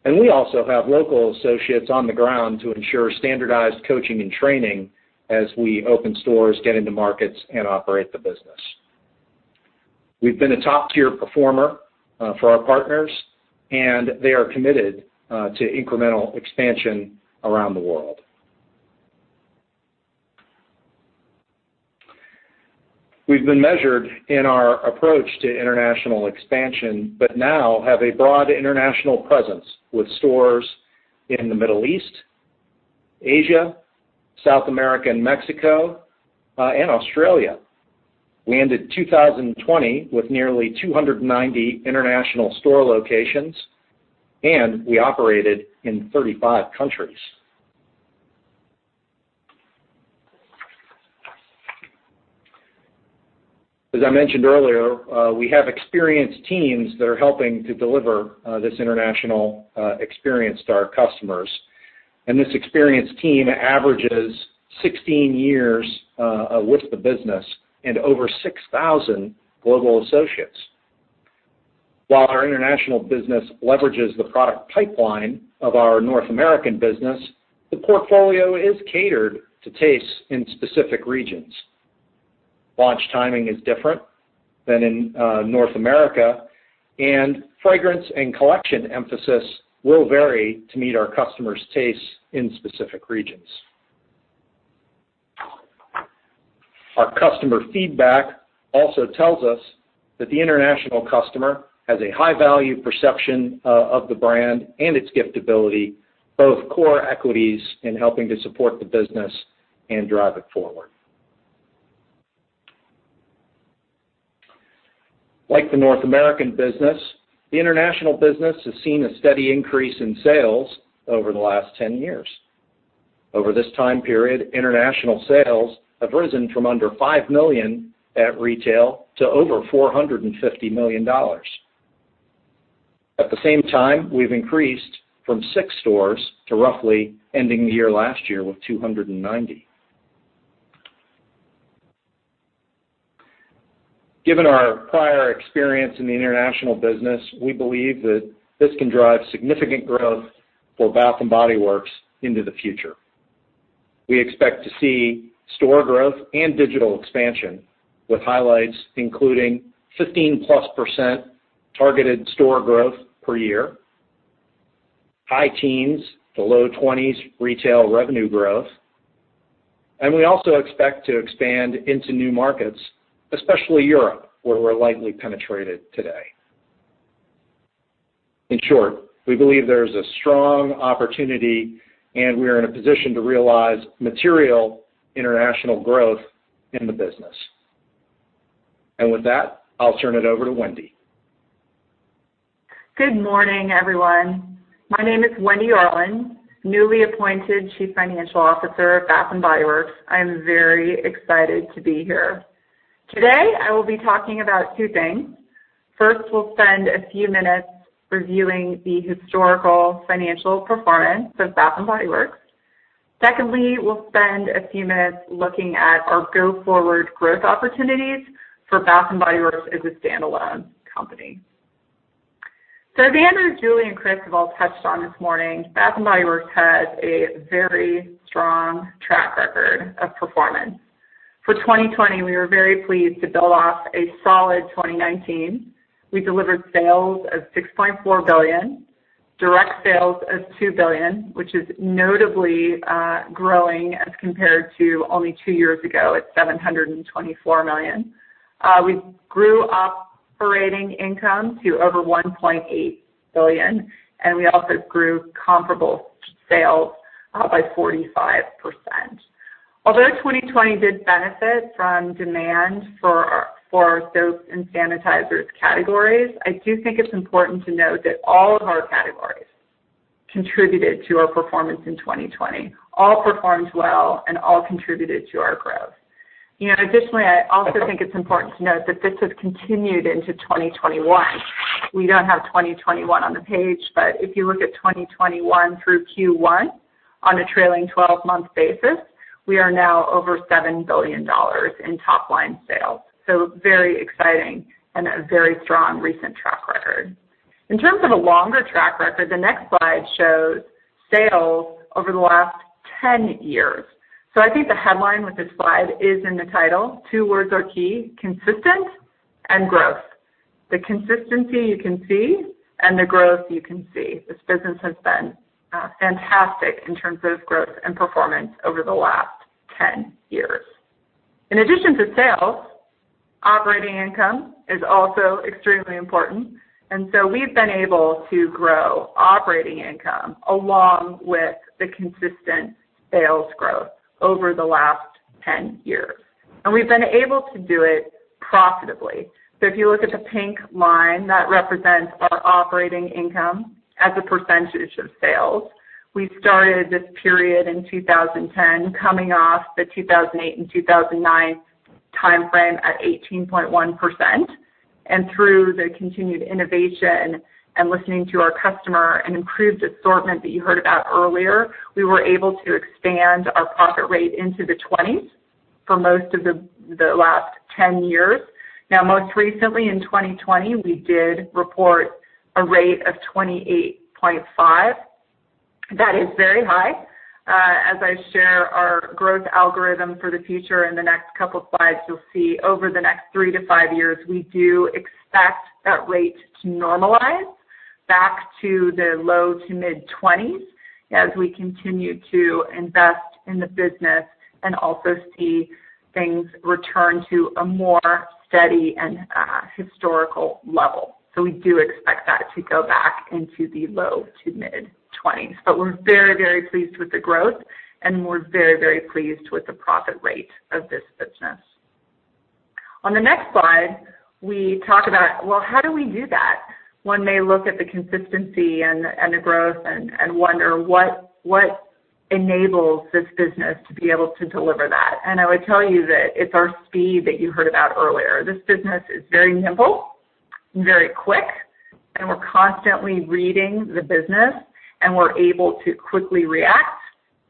We also have local associates on the ground to ensure standardized coaching and training as we open stores, get into markets, and operate the business. We've been a top-tier performer for our partners. They are committed to incremental expansion around the world. We've been measured in our approach to international expansion. Now have a broad international presence with stores in the Middle East, Asia, South America, and Mexico, and Australia. We ended 2020 with nearly 290 international store locations. We operated in 35 countries. As I mentioned earlier, we have experienced teams that are helping to deliver this international experience to our customers. This experienced team averages 16 years with the business and over 6,000 global associates. While our international business leverages the product pipeline of our North American business, the portfolio is catered to tastes in specific regions. Launch timing is different than in North America, and fragrance and collection emphasis will vary to meet our customers' tastes in specific regions. Our customer feedback also tells us that the international customer has a high-value perception of the brand and its gift ability, both core equities in helping to support the business and drive it forward. Like the North American business, the international business has seen a steady increase in sales over the last 10 years. Over this time period, international sales have risen from under $5 million at retail to over $450 million. At the same time, we've increased from six stores to roughly ending the year last year with 290. Given our prior experience in the international business, we believe that this can drive significant growth for Bath & Body Works into the future. We expect to see store growth and digital expansion, with highlights including 15%+ targeted store growth per year, high teens to low 20s retail revenue growth, and we also expect to expand into new markets, especially Europe, where we're lightly penetrated today. In short, we believe there's a strong opportunity, and we're in a position to realize material international growth in the business. With that, I'll turn it over to Wendy. Good morning, everyone. My name is Wendy Arlin, newly appointed Chief Financial Officer of Bath & Body Works. I am very excited to be here. Today, I will be talking about two things. First, we'll spend a few minutes reviewing the historical financial performance of Bath & Body Works. Secondly, we'll spend a few minutes looking at our go-forward growth opportunities for Bath & Body Works as a standalone company. As Andrew, Julie, and Chris have all touched on this morning, Bath & Body Works has a very strong track record of performance. For 2020, we were very pleased to build off a solid 2019. We delivered sales of $6.4 billion, direct sales of $2 billion, which is notably growing as compared to only two years ago at $724 million. We grew operating income to over $1.8 billion, and we also grew comparable sales by 45%. Although 2020 did benefit from demand for our soaps and sanitizers categories, I do think it's important to note that all of our categories contributed to our performance in 2020. All performed well, and all contributed to our growth. Additionally, I also think it's important to note that this has continued into 2021. We don't have 2021 on the page, but if you look at 2021 through Q1 on a trailing 12-month basis, we are now over $7 billion in top-line sales. Very exciting and a very strong recent track record. In terms of a longer track record, the next slide shows sales over the last 10 years. I think the headline with this slide is in the title. Two words are key, consistent and growth. The consistency you can see, and the growth you can see. This business has been fantastic in terms of growth and performance over the last 10 years. In addition to sales, operating income is also extremely important. We've been able to grow operating income along with the consistent sales growth over the last 10 years. We've been able to do it profitably. If you look at the pink line, that represents our operating income as a percentage of sales. We started this period in 2010, coming off the 2008 and 2009 timeframe at 18.1%, and through the continued innovation and listening to our customer and improved assortment that you heard about earlier, we were able to expand our profit rate into the 20s for most of the last 10 years. Most recently in 2020, we did report a rate of 28.5%. That is very high. As I share our growth algorithm for the future in the next couple of slides, you'll see over the next three to five years, we do expect that rate to normalize back to the low to mid-20s as we continue to invest in the business and also see things return to a more steady and historical level. We do expect that to go back into the low to mid-20s. We're very pleased with the growth, and we're very pleased with the profit rate of this business. On the next slide, we talk about, well, how do we do that when they look at the consistency and the growth and wonder what enables this business to be able to deliver that? I would tell you that it's our speed that you heard about earlier. This business is very nimble, very quick, and we're constantly reading the business, and we're able to quickly react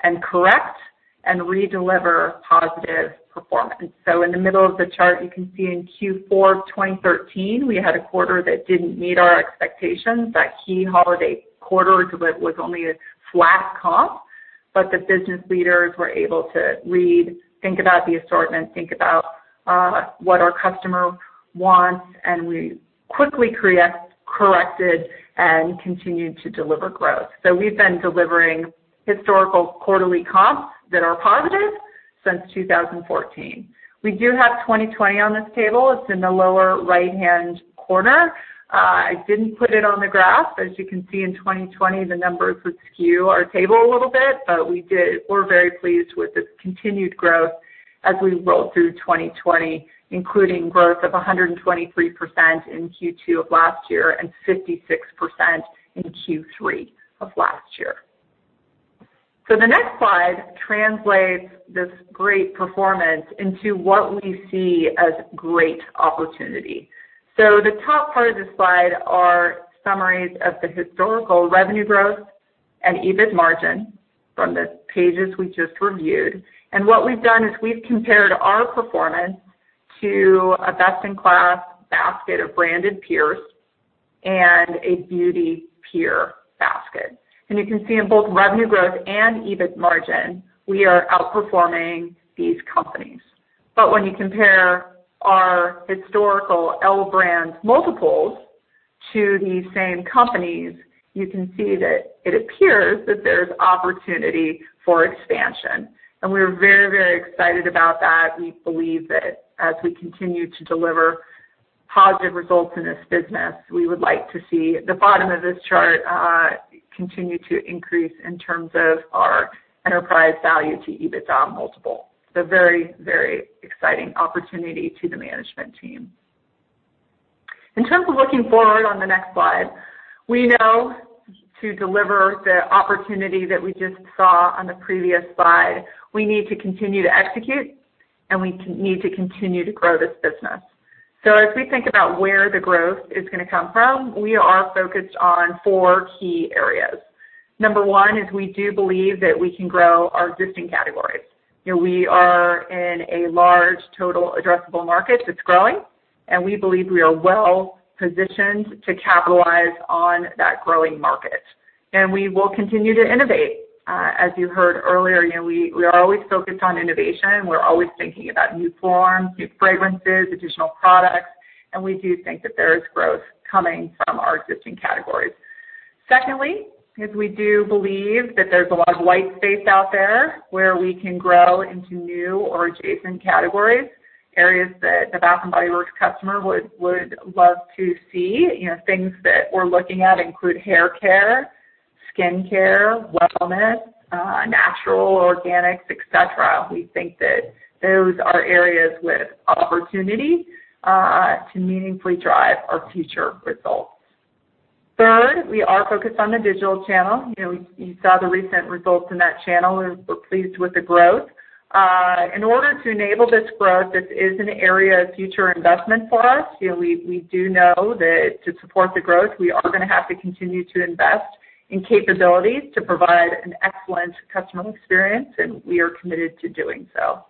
and correct and redeliver positive performance. In the middle of the chart, you can see in Q4 2013, we had a quarter that didn't meet our expectations. That key holiday quarter was only a flat comp, the business leaders were able to read, think about the assortment, think about what our customer wants, and we quickly corrected and continued to deliver growth. We've been delivering historical quarterly comps that are positive since 2014. We do have 2020 on this table. It's in the lower right-hand corner. I didn't put it on the graph. As you can see in 2020, the numbers would skew our table a little bit, but we're very pleased with this continued growth as we roll through 2020, including growth of 123% in Q2 of last year and 56% in Q3 of last year. The next slide translates this great performance into what we see as great opportunity. The top part of this slide are summaries of the historical revenue growth and EBIT margin from the pages we just reviewed. What we've done is we've compared our performance to a best-in-class basket of branded peers and a beauty peer basket. You can see in both revenue growth and EBIT margin, we are outperforming these companies. When you compare our historical L Brands multiples to these same companies, you can see that it appears that there's opportunity for expansion. We're very, very excited about that. We believe that as we continue to deliver positive results in this business, we would like to see the bottom of this chart continue to increase in terms of our enterprise value to EBITDA multiple. Very exciting opportunity to the management team. In terms of looking forward on the next slide, we know to deliver the opportunity that we just saw on the previous slide, we need to continue to execute, and we need to continue to grow this business. As we think about where the growth is going to come from, we are focused on four key areas. Number one is we do believe that we can grow our existing categories. We are in a large total addressable market that's growing, and we believe we are well-positioned to capitalize on that growing market. We will continue to innovate. As you heard earlier, we are always focused on innovation. We're always thinking about new forms, new fragrances, additional products, and we do think that there is growth coming from our existing categories. Secondly, is we do believe that there's a lot of white space out there where we can grow into new or adjacent categories, areas that the Bath & Body Works customer would love to see. Things that we're looking at include haircare, skincare, wellness, natural, organics, et cetera. We think that those are areas with opportunity to meaningfully drive our future results. Third, we are focused on the digital channel. You saw the recent results in that channel, and we're pleased with the growth. In order to enable this growth, this is an area of future investment for us. We do know that to support the growth, we are going to have to continue to invest in capabilities to provide an excellent customer experience, and we are committed to doing so.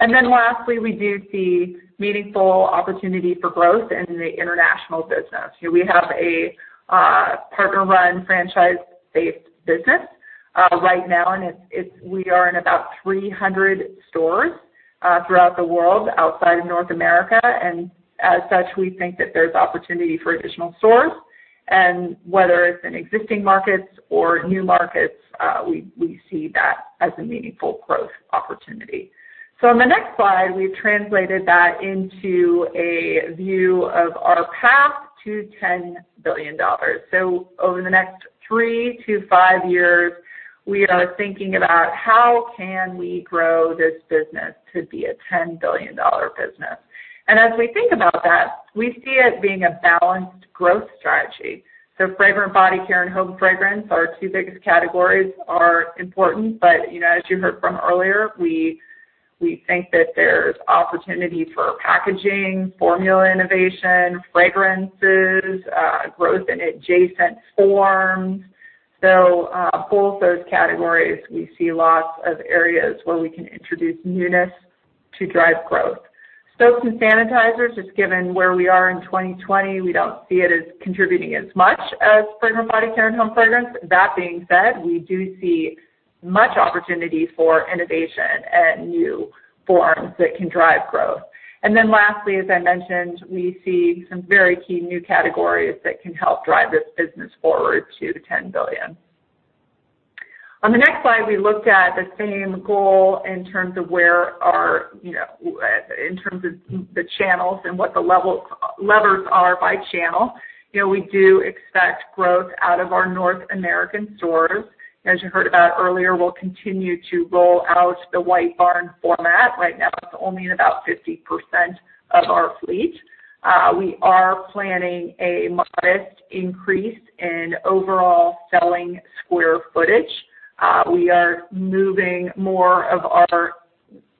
Lastly, we do see meaningful opportunity for growth in the international business. We have a partner-run, franchise-based business right now, and we are in about 300 stores throughout the world outside of North America. As such, we think that there's opportunity for additional stores. Whether it's in existing markets or new markets, we see that as a meaningful growth opportunity. On the next slide, we've translated that into a view of our path to $10 billion. Over the next three to five years, we are thinking about how can we grow this business to be a $10 billion business. As we think about that, we see it being a balanced growth strategy. Fragrant body care and home fragrance, our two biggest categories, are important. As you heard from earlier, we think that there's opportunity for packaging, formula innovation, fragrances, growth in adjacent forms. Both those categories, we see lots of areas where we can introduce newness to drive growth. Soaps and sanitizers, just given where we are in 2020, we don't see it as contributing as much as fragrant body care and home fragrance. That being said, we do see much opportunity for innovation and new forms that can drive growth. Lastly, as I mentioned, we see some very key new categories that can help drive this business forward to $10 billion. On the next slide, we looked at the same goal in terms of the channels and what the levers are by channel. We do expect growth out of our North American stores. As you heard about earlier, we'll continue to roll out the White Barn format. Right now, it's only in about 50% of our fleet. We are planning a modest increase in overall selling square footage. We are moving more of our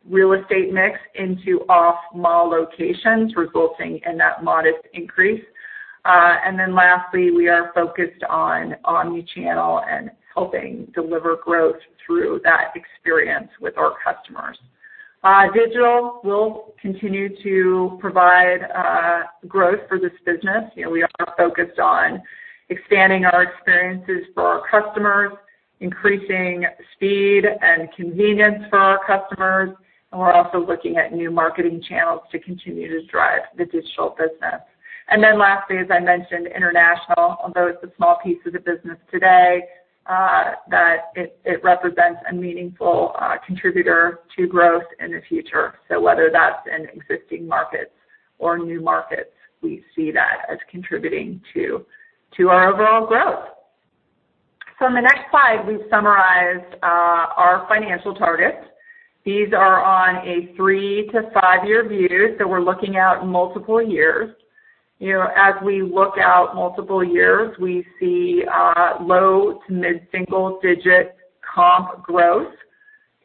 real estate mix into off-mall locations, resulting in that modest increase. Lastly, we are focused on omnichannel and helping deliver growth through that experience with our customers. Digital will continue to provide growth for this business. We are focused on expanding our experiences for our customers, increasing speed and convenience for our customers, and we're also looking at new marketing channels to continue to drive the digital business. Lastly, as I mentioned, international. Although it's a small piece of the business today that it represents a meaningful contributor to growth in the future. Whether that's in existing markets or new markets, we see that as contributing to our overall growth. On the next slide, we've summarized our financial targets. These are on a three-five year view, so we're looking out multiple years. As we look out multiple years, we see low- to mid-single digit comp growth.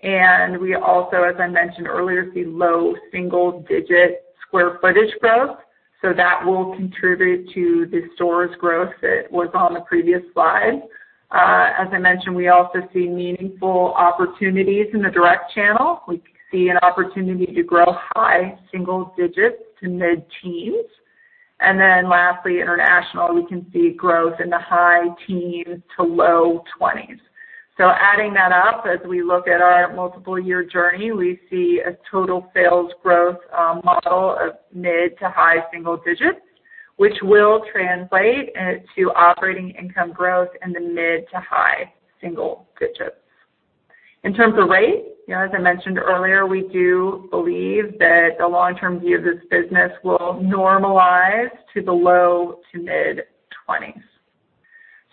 We also, as I mentioned earlier, see low single-digit square footage growth. That will contribute to the stores growth that was on the previous slide. As I mentioned, we also see meaningful opportunities in the direct channel. We see an opportunity to grow high single digits to mid-teens. Lastly, international, we can see growth in the high teens to low 20s. Adding that up, as we look at our multiple year journey, we see a total sales growth model of mid- to high single digits, which will translate to operating income growth in the mid- to high single digits. In terms of rate, as I mentioned earlier, we do believe that the long-term view of this business will normalize to the low- to mid-20s.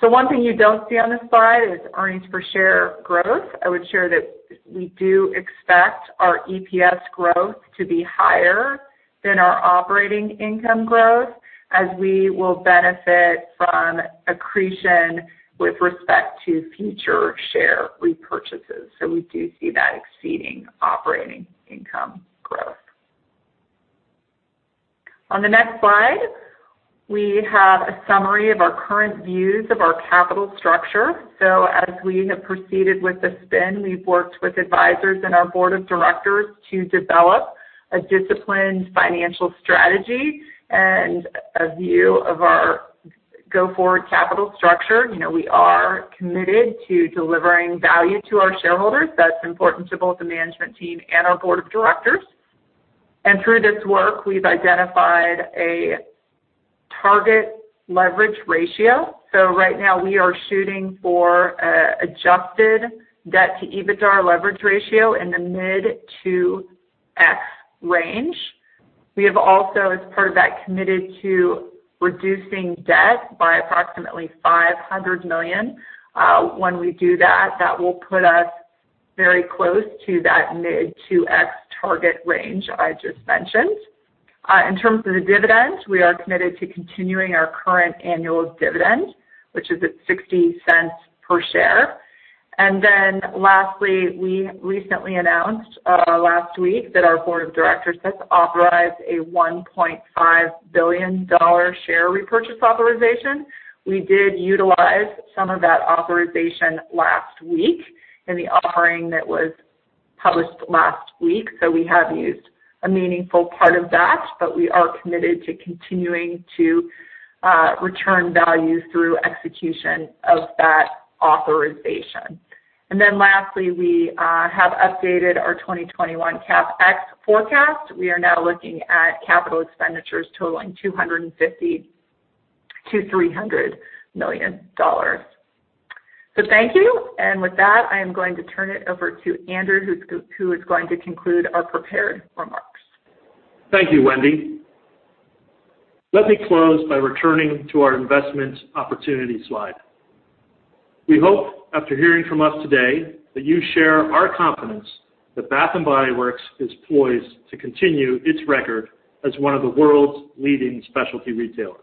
One thing you don't see on this slide is earnings per share growth. I would share that we do expect our EPS growth to be higher than our operating income growth as we will benefit from accretion with respect to future share repurchases. We do see that exceeding operating income growth. On the next slide, we have a summary of our current views of our capital structure. As we have proceeded with the spin, we've worked with advisors and our Board of Directors to develop a disciplined financial strategy and a view of our go-forward capital structure. We are committed to delivering value to our shareholders. That's important to both the management team and our board of directors. Through this work, we've identified a target leverage ratio. Right now, we are shooting for a adjusted debt to EBITDA leverage ratio in the mid 2x range. We have also, as part of that, committed to reducing debt by approximately $500 million. When we do that will put us very close to that mid 2x target range I just mentioned. In terms of the dividend, we are committed to continuing our current annual dividend, which is at $0.60 per share. Lastly, we recently announced, last week, that our Board of Directors has authorized a $1.5 billion share repurchase authorization. We did utilize some of that authorization last week in the offering that was published last week. We have used a meaningful part of that, but we are committed to continuing to return value through execution of that authorization. Lastly, we have updated our 2021 CapEx forecast. We are now looking at capital expenditures totaling $250 million-$300 million. Thank you. With that, I am going to turn it over to Andrew, who is going to conclude our prepared remarks. Thank you, Wendy. Let me close by returning to our investment opportunity slide. We hope, after hearing from us today, that you share our confidence that Bath & Body Works is poised to continue its record as one of the world's leading specialty retailers.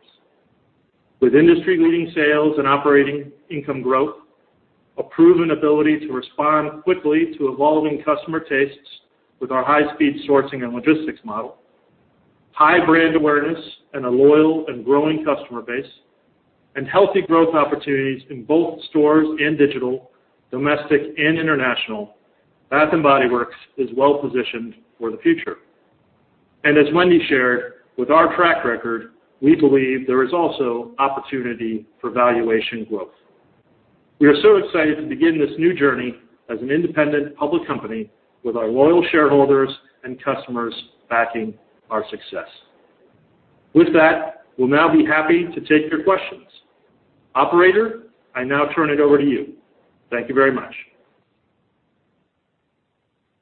With industry-leading sales and operating income growth, a proven ability to respond quickly to evolving customer tastes with our high-speed sourcing and logistics model, high brand awareness, and a loyal and growing customer base, and healthy growth opportunities in both stores and digital, domestic and international, Bath & Body Works is well-positioned for the future. As Wendy shared, with our track record, we believe there is also opportunity for valuation growth. We are so excited to begin this new journey as an independent public company with our loyal shareholders and customers backing our success. With that, we'll now be happy to take your questions. Operator, I now turn it over to you. Thank you very much.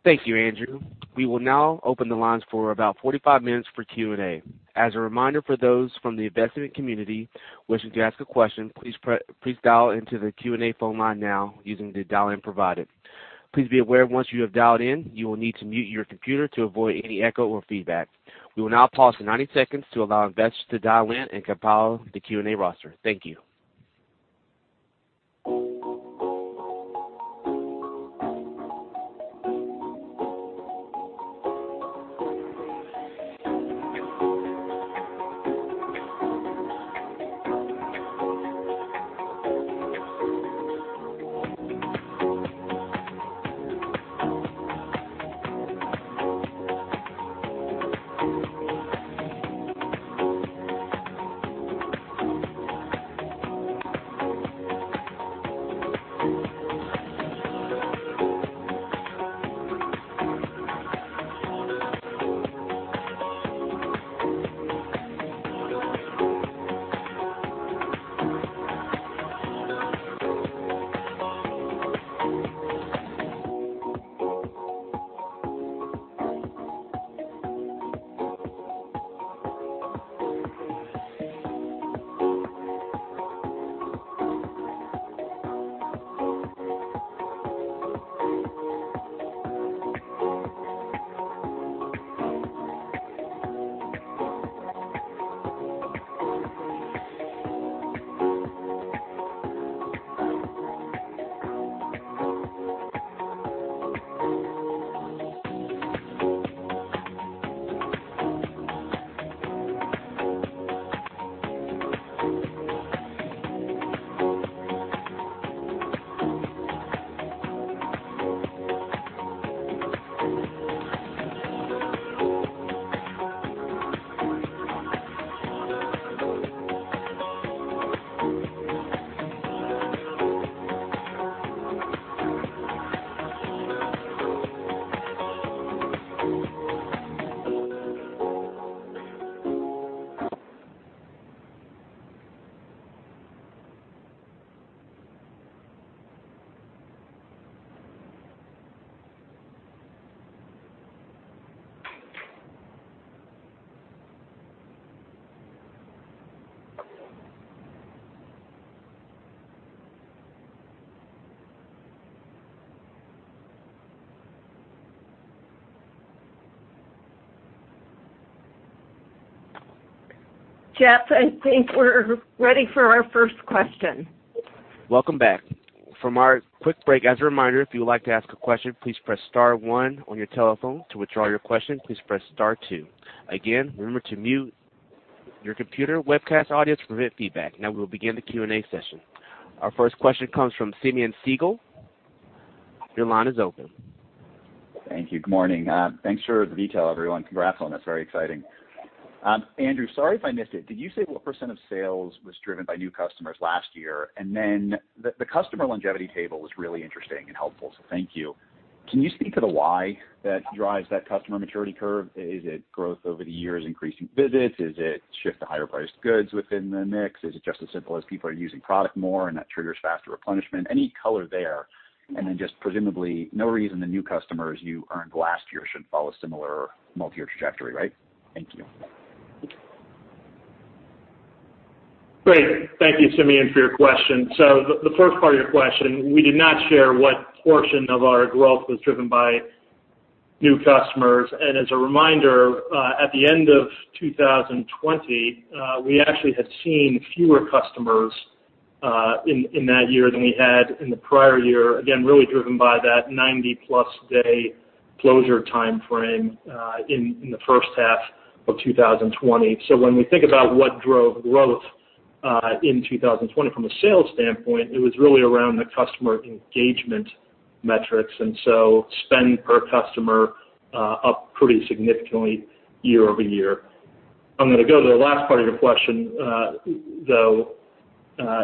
Thank you, Andrew. We will now open the lines for about 45 minutes for Q&A. As a reminder for those from the investment community wishing to ask a question, please dial into the Q&A phone line now using the dial-in provided. Please be aware, once you have dialed in, you will need to mute your computer to avoid any echo or feedback. We will now pause for 90 seconds to allow investors to dial in and compile the Q&A roster. Thank you. Jeff, I think we're ready for our first question. Welcome back from our quick break. As a reminder, if you would like to ask a question, please press star one on your telephone. To withdraw your question, please press star two. Again, remember to mute your computer webcast audio to prevent feedback. Now we will begin the Q&A session. Our first question comes from Simeon Siegel. Your line is open. Thank you. Good morning. Thanks for the detail, everyone. Congrats on this, very exciting. Andrew, sorry if I missed it. Did you say what percent of sales was driven by new customers last year? The customer longevity table was really interesting and helpful, so thank you. Can you speak to the why that drives that customer maturity curve? Is it growth over the years, increasing visits? Is it shift to higher priced goods within the mix? Is it just as simple as people are using product more and that triggers faster replenishment? Any color there. Presumably, no reason the new customers you earned last year shouldn't follow a similar multi-year trajectory, right? Thank you. Great. Thank you, Simeon, for your question. The first part of your question, we did not share what portion of our growth was driven by new customers. As a reminder, at the end of 2020, we actually had seen fewer customers in that year than we had in the prior year, again, really driven by that 90+ day closure timeframe in the first half of 2020. When we think about what drove growth in 2020 from a sales standpoint, it was really around the customer engagement metrics, spend per customer up pretty significantly year-over-year. I'm going to go to the last part of your question, though,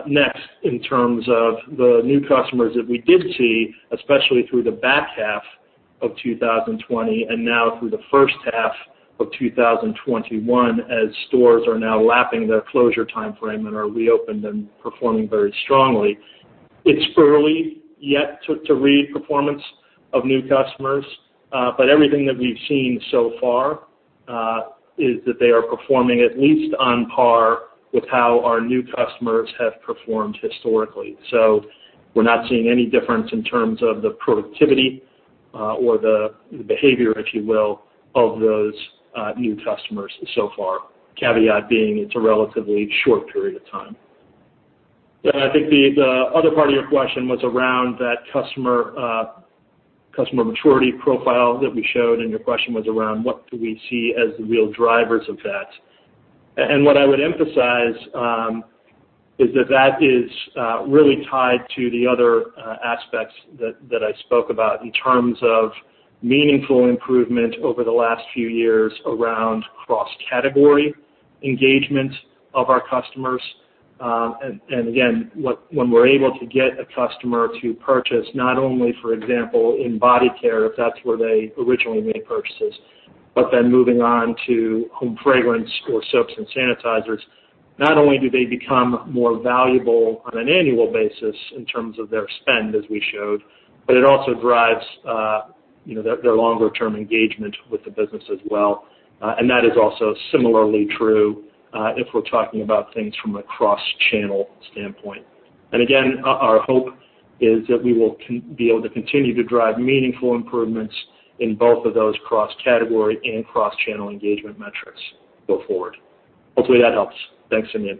next, in terms of the new customers that we did see, especially through the back half of 2020 and now through the first half of 2021, as stores are now lapping their closure timeframe and are reopened and performing very strongly. It's early yet to read performance of new customers, but everything that we've seen so far is that they are performing at least on par with how our new customers have performed historically. We're not seeing any difference in terms of the productivity, or the behavior, if you will, of those new customers so far. Caveat being, it's a relatively short period of time. I think the other part of your question was around that customer maturity profile that we showed, and your question was around what do we see as the real drivers of that. What I would emphasize is that is really tied to the other aspects that I spoke about in terms of meaningful improvement over the last few years around cross-category engagement of our customers. Again, when we're able to get a customer to purchase, not only, for example, in body care, if that's where they originally made purchases, but then moving on to home fragrance or soaps and sanitizers. Not only do they become more valuable on an annual basis in terms of their spend, as we showed, but it also drives their longer-term engagement with the business as well. That is also similarly true if we're talking about things from a cross-channel standpoint. Again, our hope is that we will be able to continue to drive meaningful improvements in both of those cross-category and cross-channel engagement metrics go forward. Hopefully, that helps. Thanks, Simeon.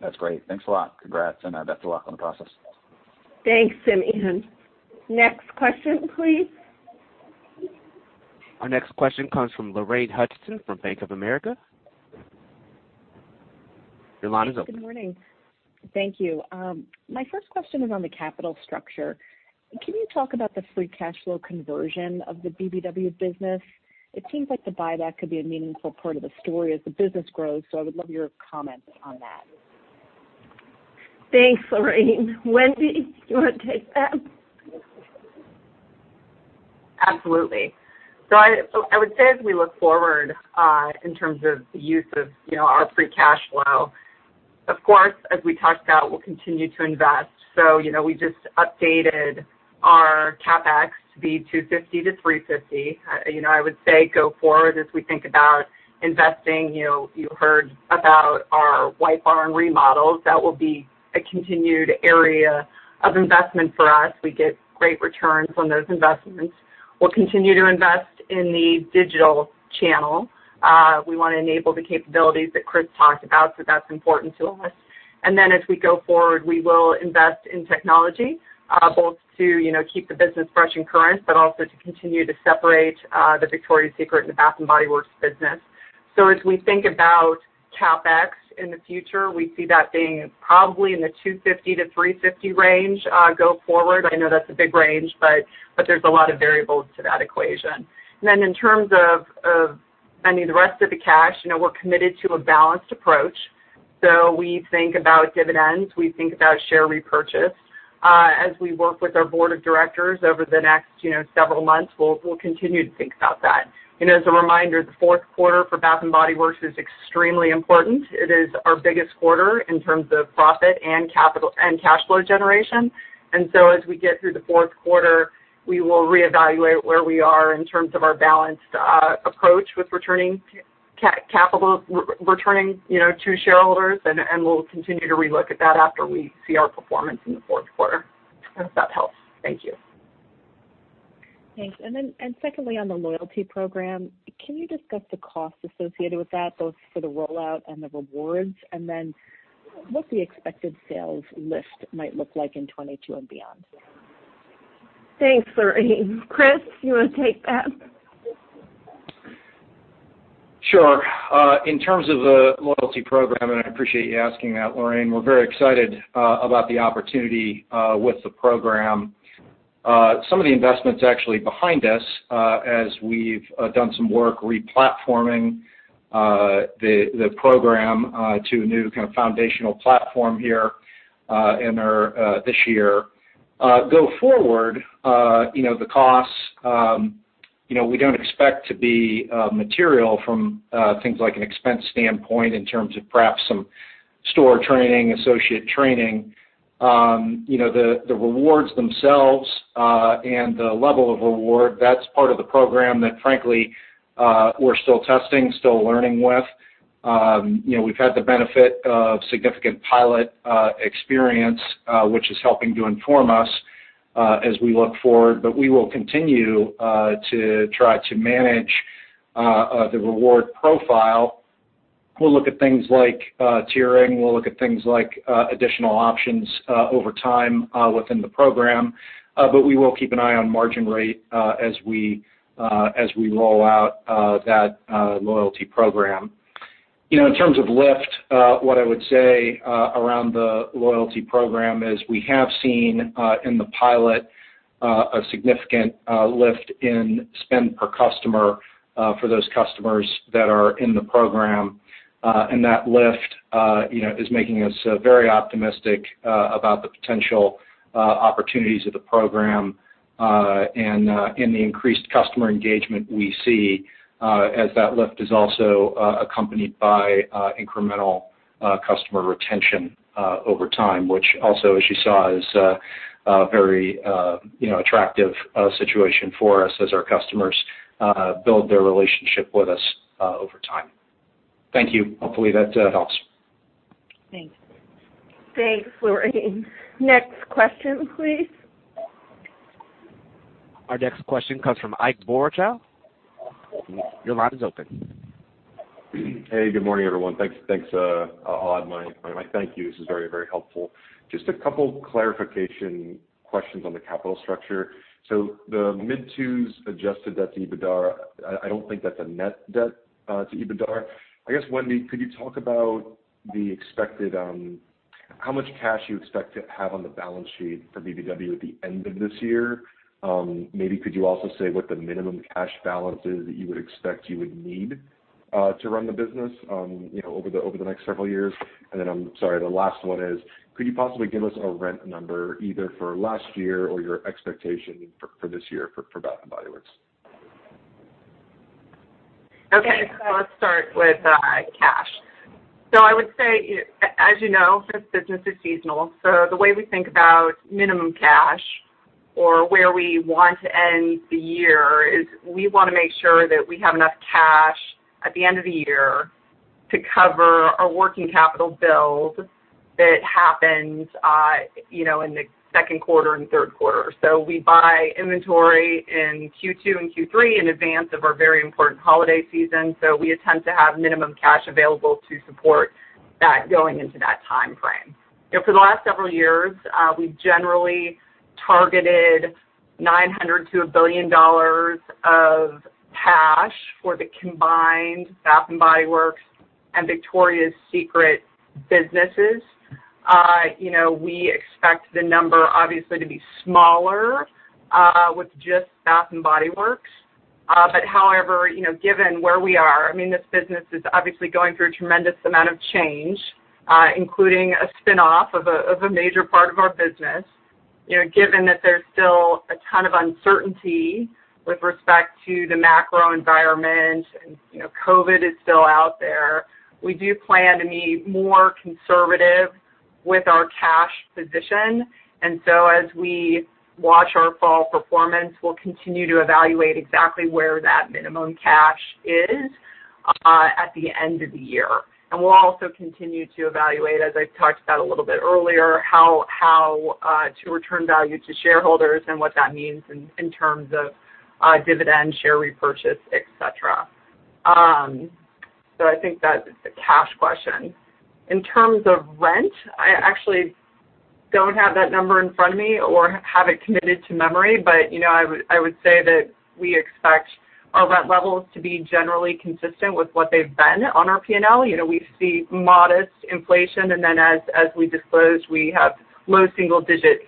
That's great. Thanks a lot. Congrats, and best of luck on the process. Thanks, Simeon. Next question, please. Our next question comes from Lorraine Hutchinson from Bank of America. Your line is open. Good morning. Thank you. My first question is on the capital structure. Can you talk about the free cash flow conversion of the BBW business? It seems like the buyback could be a meaningful part of the story as the business grows, I would love your comments on that. Thanks, Lorraine. Wendy, do you want to take that? Absolutely. I would say as we look forward, in terms of the use of our free cash flow, of course, as we talked about, we'll continue to invest. We just updated our CapEx to be $250 million-$350 million. I would say go forward as we think about investing, you heard about our White Barn remodels. That will be a continued area of investment for us. We get great returns on those investments. We'll continue to invest in the digital channel. We want to enable the capabilities that Chris talked about, so that's important to us. Then as we go forward, we will invest in technology, both to keep the business fresh and current, but also to continue to separate the Victoria's Secret and the Bath & Body Works business. As we think about CapEx in the future, we see that being probably in the $250 million-$350 million range, go forward. I know that's a big range, but there's a lot of variables to that equation. In terms of the rest of the cash, we're committed to a balanced approach. We think about dividends, we think about share repurchase. As we work with our Board of Directors over the next several months, we'll continue to think about that. As a reminder, the fourth quarter for Bath & Body Works is extremely important. It is our biggest quarter in terms of profit and cash flow generation. As we get through the fourth quarter, we will reevaluate where we are in terms of our balanced approach with returning to shareholders, and we'll continue to relook at that after we see our performance in the fourth quarter. I hope that helps. Thank you. Thanks. Secondly, on the loyalty program, can you discuss the cost associated with that, both for the rollout and the rewards? What the expected sales lift might look like in 2022 and beyond? Thanks, Lorraine. Chris, you want to take that? Sure. In terms of the loyalty program, and I appreciate you asking that, Lorraine, we're very excited about the opportunity with the program. Some of the investment's actually behind us, as we've done some work replatforming the program to a new foundational platform here this year. Go forward, the costs, we don't expect to be material from things like an expense standpoint in terms of perhaps some store training, associate training. The rewards themselves, and the level of reward, that's part of the program that frankly, we're still testing, still learning with. We've had the benefit of significant pilot experience, which is helping to inform us as we look forward. We will continue to try to manage the reward profile. We'll look at things like tiering, we'll look at things like additional options over time within the program. We will keep an eye on margin rate as we roll out that loyalty program. In terms of lift, what I would say around the loyalty program is we have seen in the pilot a significant lift in spend per customer for those customers that are in the program. That lift is making us very optimistic about the potential opportunities of the program, and in the increased customer engagement we see as that lift is also accompanied by incremental customer retention over time, which also, as you saw, is a very attractive situation for us as our customers build their relationship with us over time. Thank you. Hopefully, that helps. Thanks. Thanks, Lorraine. Next question, please. Our next question comes from Ike Boruchow. Your line is open. Hey, good morning, everyone. Thanks. I'll add my thank you. This is very helpful. Just a couple clarification questions on the capital structure. The mid-2s adjusted debt to EBITDA, I don't think that's a net debt to EBITDA. I guess, Wendy, could you talk about how much cash you expect to have on the balance sheet for BBW at the end of this year? Maybe could you also say what the minimum cash balance is that you would expect you would need to run the business over the next several years? I'm sorry, the last one is, could you possibly give us a rent number either for last year or your expectation for this year for Bath & Body Works? Okay. Let's start with cash. I would say, as you know, this business is seasonal. The way we think about minimum cash or where we want to end the year is we want to make sure that we have enough cash at the end of the year to cover our working capital build that happens in the second quarter and third quarter. We buy inventory in Q2 and Q3 in advance of our very important holiday season, so we attempt to have minimum cash available to support that going into that timeframe. For the last several years, we've generally targeted $900 million to $1 billion of cash for the combined Bath & Body Works and Victoria's Secret businesses. We expect the number obviously to be smaller with just Bath & Body Works. However, given where we are, this business is obviously going through a tremendous amount of change, including a spinoff of a major part of our business. Given that there's still a ton of uncertainty with respect to the macro environment, COVID is still out there, we do plan to be more conservative with our cash position. So as we watch our fall performance, we'll continue to evaluate exactly where that minimum cash is at the end of the year. We'll also continue to evaluate, as I talked about a little bit earlier, how to return value to shareholders and what that means in terms of dividends, share repurchase, et cetera. I think that's the cash question. In terms of rent, I actually don't have that number in front of me or have it committed to memory. I would say that we expect our rent levels to be generally consistent with what they've been on our P&L. We see modest inflation, and then as we disclosed, we have low single-digit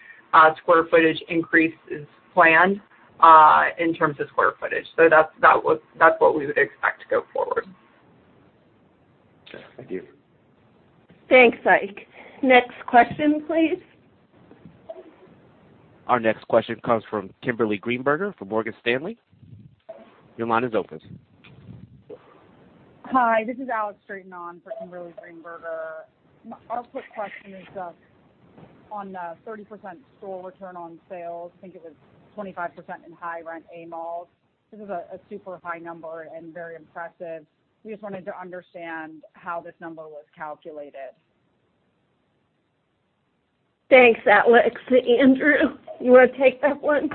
square footage increases planned in terms of square footage. That's what we would expect to go forward. Okay, thank you. Thanks, Ike. Next question, please. Our next question comes from Kimberly Greenberger from Morgan Stanley. Your line is open. Hi, this is Alex Straton for Kimberly Greenberger. My output question is just on the 30% store return on sales. I think it was 25% in high rent A malls. This is a super high number and very impressive. We just wanted to understand how this number was calculated. Thanks, Alex. Andrew, you want to take that one?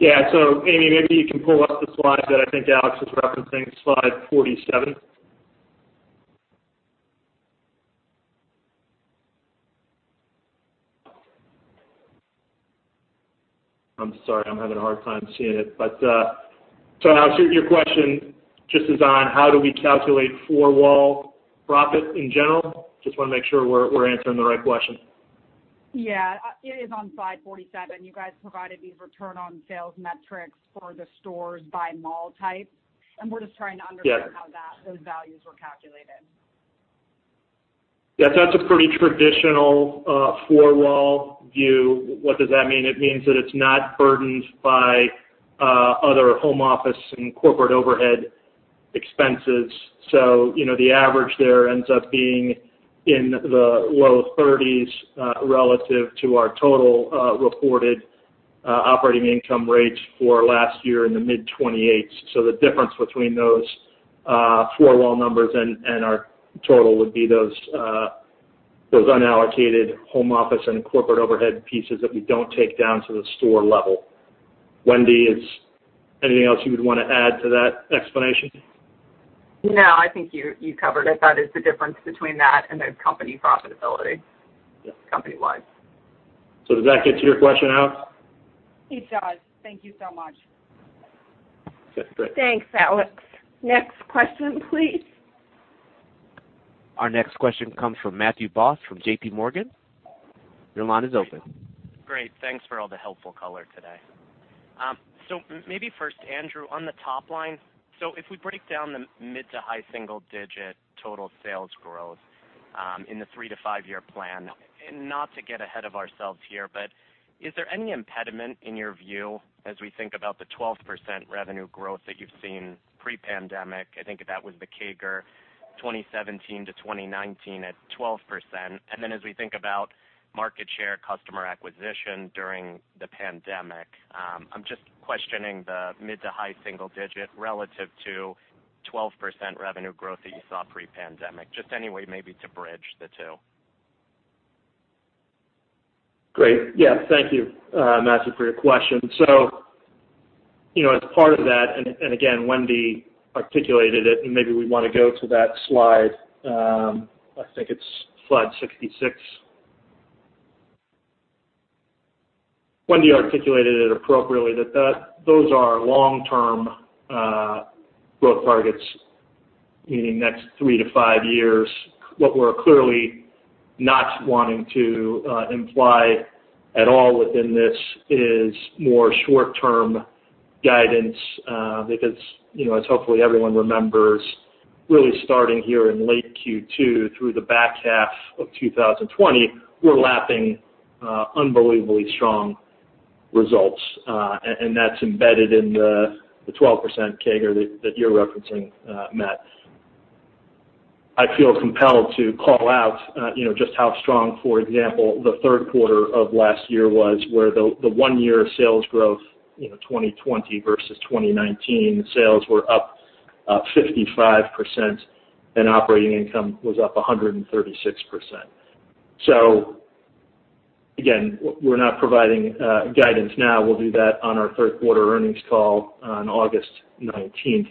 Yeah. Amie, maybe you can pull up the slide that I think Alex is referencing, slide 47. I'm sorry, I'm having a hard time seeing it. Alex, your question just is on how do we calculate four-wall profit in general? Just want to make sure we're answering the right question. Yeah. It is on slide 47. You guys provided these return on sales metrics for the stores by mall type. How those values were calculated. Yes, that's a pretty traditional four-wall view. What does that mean? It means that it's not burdened by other home office and corporate overhead expenses. The average there ends up being in the low 30s, relative to our total reported operating income rates for last year in the mid 28s. The difference between those four wall numbers and our total would be those unallocated home office and corporate overhead pieces that we don't take down to the store level. Wendy, anything else you would want to add to that explanation? No, I think you covered it. That is the difference between that and the company profitability. Company-wide. Does that get to your question, Alex? It does. Thank you so much. Okay, great. Thanks, Alex. Next question, please. Our next question comes from Matthew Boss from JPMorgan. Your line is open. Great. Thanks for all the helpful color today. Maybe first, Andrew, on the top line. If we break down the mid to high single-digit total sales growth in the three-five year plan, not to get ahead of ourselves here, but is there any impediment in your view as we think about the 12% revenue growth that you've seen pre-pandemic? I think that was the CAGR 2017-2019 at 12%. Then as we think about market share customer acquisition during the pandemic, I'm just questioning the mid to high single-digit relative to 12% revenue growth that you saw pre-pandemic. Just any way maybe to bridge the two. Great. Yeah, thank you, Matthew, for your question. As part of that, and again, Wendy articulated it, and maybe we want to go to that slide. I think it's slide 66. Wendy articulated it appropriately that those are long-term growth targets, meaning next three to five years. What we're clearly not wanting to imply at all within this is more short-term guidance. Because, as hopefully everyone remembers, really starting here in late Q2 through the back half of 2020, we're lapping unbelievably strong results. That's embedded in the 12% CAGR that you're referencing, Matt. I feel compelled to call out just how strong, for example, the third quarter of last year was, where the one year of sales growth, 2020 versus 2019, sales were up 55%, and operating income was up 136%. Again, we're not providing guidance now. We'll do that on our third-quarter earnings call on August 19th.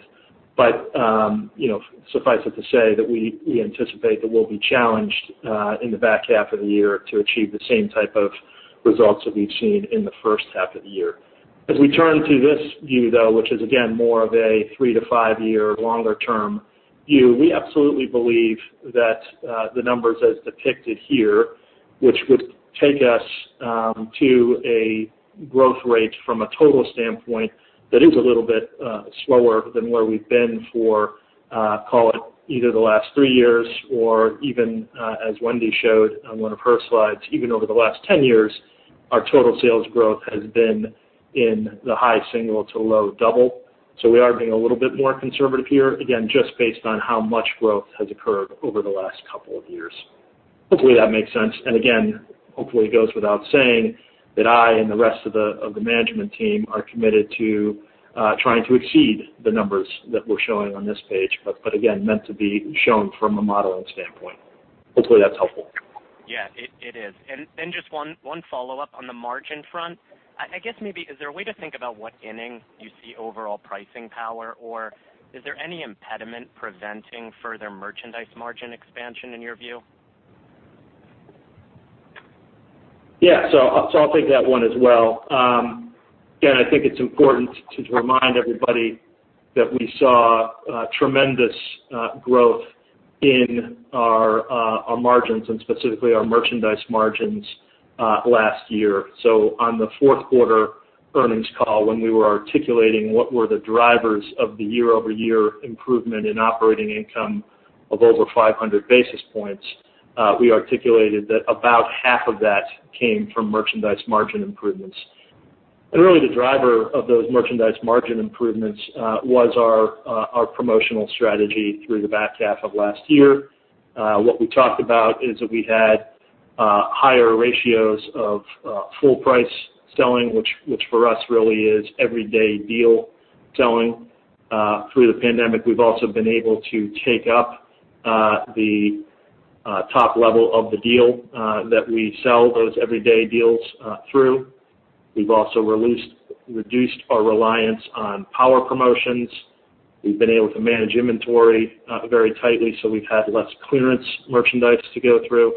Suffice it to say that we anticipate that we'll be challenged in the back half of the year to achieve the same type of results that we've seen in the first half of the year. As we turn to this view, though, which is again, more of a three-five year longer term view, we absolutely believe that the numbers as depicted here which would take us to a growth rate from a total standpoint that is a little bit slower than where we've been for, call it either the last three years or even, as Wendy showed on one of her slides, even over the last 10 years, our total sales growth has been in the high single to low double. We are being a little bit more conservative here. Again, just based on how much growth has occurred over the last couple of years. Hopefully, that makes sense. Again, hopefully it goes without saying that I and the rest of the management team are committed to trying to exceed the numbers that we're showing on this page, but again, meant to be shown from a modeling standpoint. Hopefully, that's helpful. Yeah, it is. Just one follow-up on the margin front. I guess maybe, is there a way to think about what inning you see overall pricing power, or is there any impediment preventing further merchandise margin expansion in your view? Yeah. I'll take that one as well. Again, I think it's important to remind everybody that we saw tremendous growth in our margins and specifically our merchandise margins last year. On the fourth quarter earnings call, when we were articulating what were the drivers of the year-over-year improvement in operating income of over 500 basis points, we articulated that about half of that came from merchandise margin improvements. Really the driver of those merchandise margin improvements was our promotional strategy through the back half of last year. What we talked about is that we had higher ratios of full price selling, which for us really is everyday deal selling. Through the pandemic, we've also been able to take up the top level of the deal that we sell those everyday deals through. We've also reduced our reliance on power promotions. We've been able to manage inventory very tightly, so we've had less clearance merchandise to go through.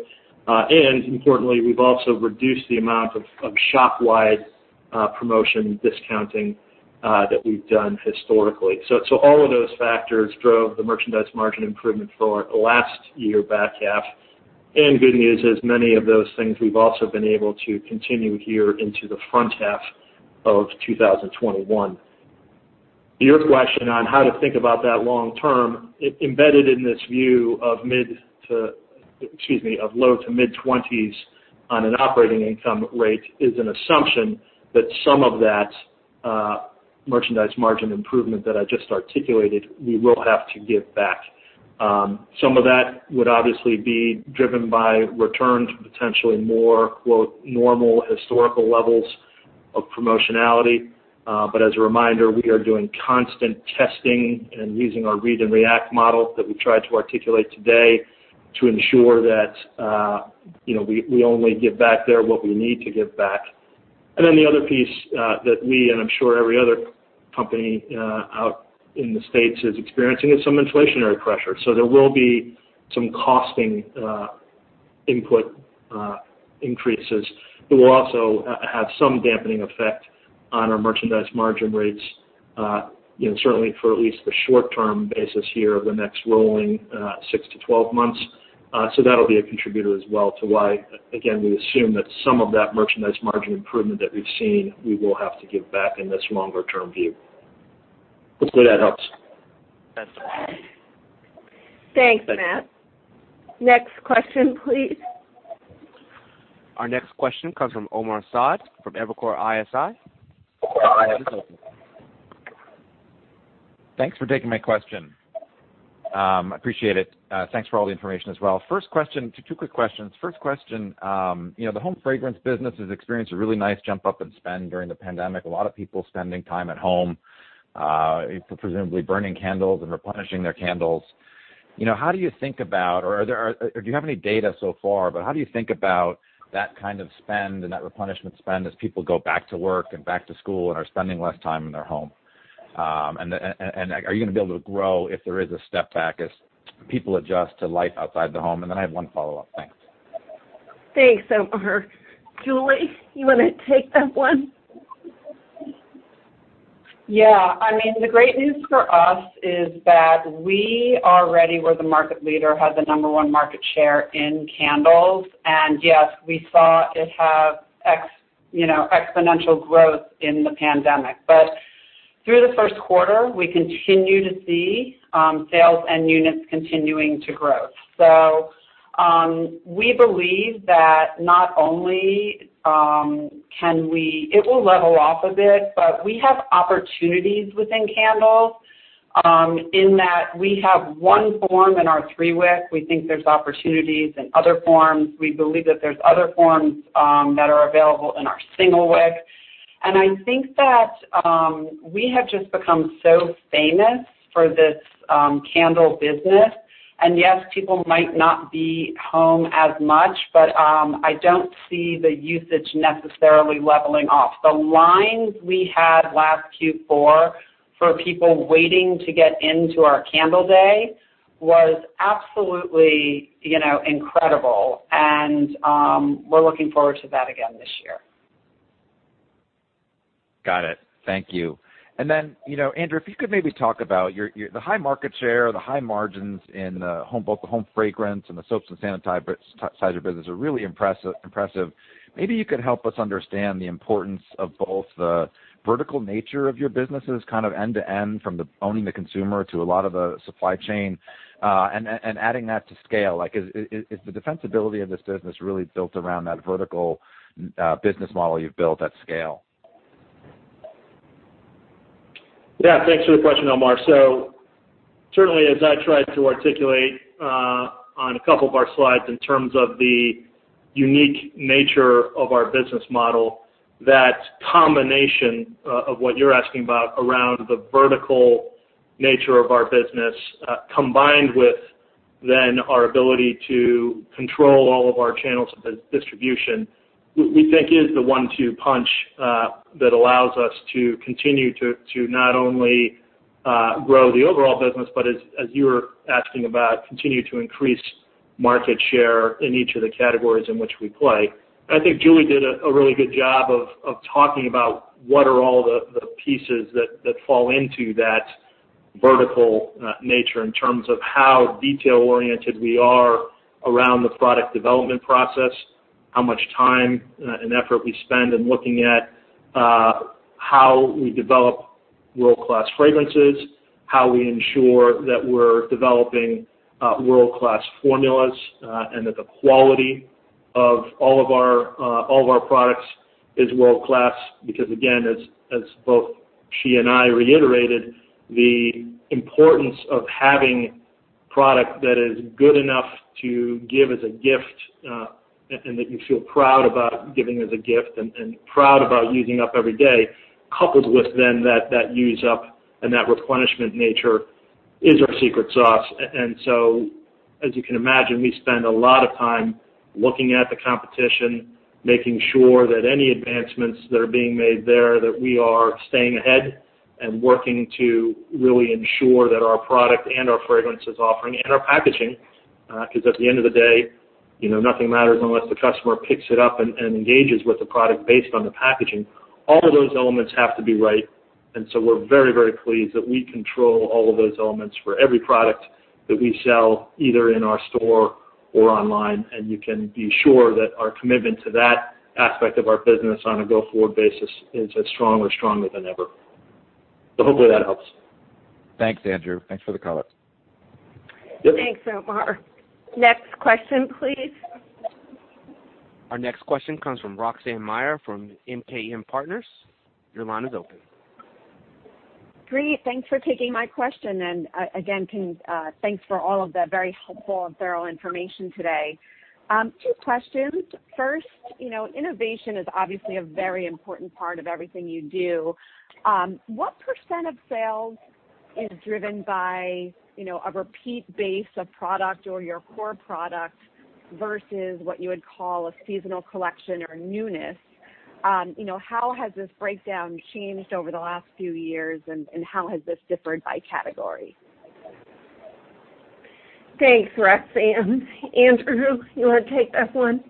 Importantly, we've also reduced the amount of shopwide promotion discounting that we've done historically. All of those factors drove the merchandise margin improvement for last year back half. Good news is many of those things we've also been able to continue here into the front half of 2021. To your question on how to think about that long term, embedded in this view of low to mid-20s on an operating income rate is an assumption that some of that merchandise margin improvement that I just articulated, we will have to give back. Some of that would obviously be driven by return to potentially more "normal" historical levels of promotionality. As a reminder, we are doing constant testing and using our read and react model that we tried to articulate today to ensure that we only give back there what we need to give back. The other piece that we, and I'm sure every other company out in this patch is experiencing, is some inflationary pressure. There will be some costing input increases that will also have some dampening effect on our merchandise margin rates certainly for at least the short term basis here of the next rolling 6-12 months. That'll be a contributor as well to why, again, we assume that some of that merchandise margin improvement that we've seen, we will have to give back in this longer term view. Hopefully that helps. That's helpful. Thanks, Matt. Next question, please. Our next question comes from Omar Saad from Evercore ISI. Thanks for taking my question. I appreciate it. Thanks for all the information as well. Two quick questions. First question. The home fragrance business has experienced a really nice jump up in spend during the pandemic. A lot of people spending time at home, presumably burning candles and replenishing their candles. Do you have any data so far, but how do you think about that kind of spend and that replenishment spend as people go back to work and back to school and are spending less time in their home? Are you going to be able to grow if there is a step back as people adjust to life outside the home? Then I have one follow-up. Thanks. Thanks, Omar. Julie, you want to take that one? Yeah. The great news for us is that we already were the market leader, had the number one market share in Candles. Yes, we saw it have exponential growth in the pandemic. Through the first quarter, we continue to see sales and units continuing to grow. We believe that it will level off a bit, but we have opportunities within Candles, in that we have one form in our 3-Wick. We think there's opportunities in other forms. We believe that there's other forms that are available in our single wick. I think that we have just become so famous for this Candle business. Yes, people might not be home as much, but I don't see the usage necessarily leveling off. The lines we had last Q4 for people waiting to get into our Candle Day was absolutely incredible, and we're looking forward to that again this year. Got it. Thank you. Andrew, if you could maybe talk about the high market share, the high margins in both the home fragrance and the soaps and sanitizer business are really impressive. Maybe you could help us understand the importance of both the vertical nature of your businesses, kind of end-to-end from the owning the consumer to a lot of the supply chain, and adding that to scale. Is the defensibility of this business really built around that vertical business model you've built at scale? Yeah. Thanks for the question, Omar. Certainly, as I tried to articulate on a couple of our slides in terms of the unique nature of our business model, that combination of what you're asking about around the vertical nature of our business, combined with then our ability to control all of our channels of distribution, we think is the one-two punch that allows us to continue to not only grow the overall business but as you were asking about, continue to increase market share in each of the categories in which we play. I think Julie did a really good job of talking about what are all the pieces that fall into that vertical nature in terms of how detail-oriented we are around the product development process, how much time and effort we spend in looking at how we develop world-class fragrances, how we ensure that we're developing world-class formulas, and that the quality of all of our products is world-class. Again, as both she and I reiterated, the importance of having product that is good enough to give as a gift, and that you feel proud about giving as a gift and proud about using up every day, coupled with then that use up and that replenishment nature is our secret sauce. As you can imagine, we spend a lot of time looking at the competition, making sure that any advancements that are being made there, that we are staying ahead and working to really ensure that our product and our fragrances offering and our packaging, because at the end of the day, nothing matters unless the customer picks it up and engages with the product based on the packaging. All of those elements have to be right. We're very, very pleased that we control all of those elements for every product that we sell, either in our store or online. You can be sure that our commitment to that aspect of our business on a go-forward basis is as strong or stronger than ever. Hopefully that helps. Thanks, Andrew. Thanks for the color. Yep. Thanks, Omar. Next question, please. Our next question comes from Roxanne Meyer from MKM Partners. Your line is open. Great. Thanks for taking my question, and, again, thanks for all of the very helpful and thorough information today. Two questions. First, innovation is obviously a very important part of everything you do. What percent of sales is driven by a repeat base of product or your core product versus what you would call a seasonal collection or newness? How has this breakdown changed over the last few years, and how has this differed by category? Thanks, Roxanne. Andrew, you want to take that one?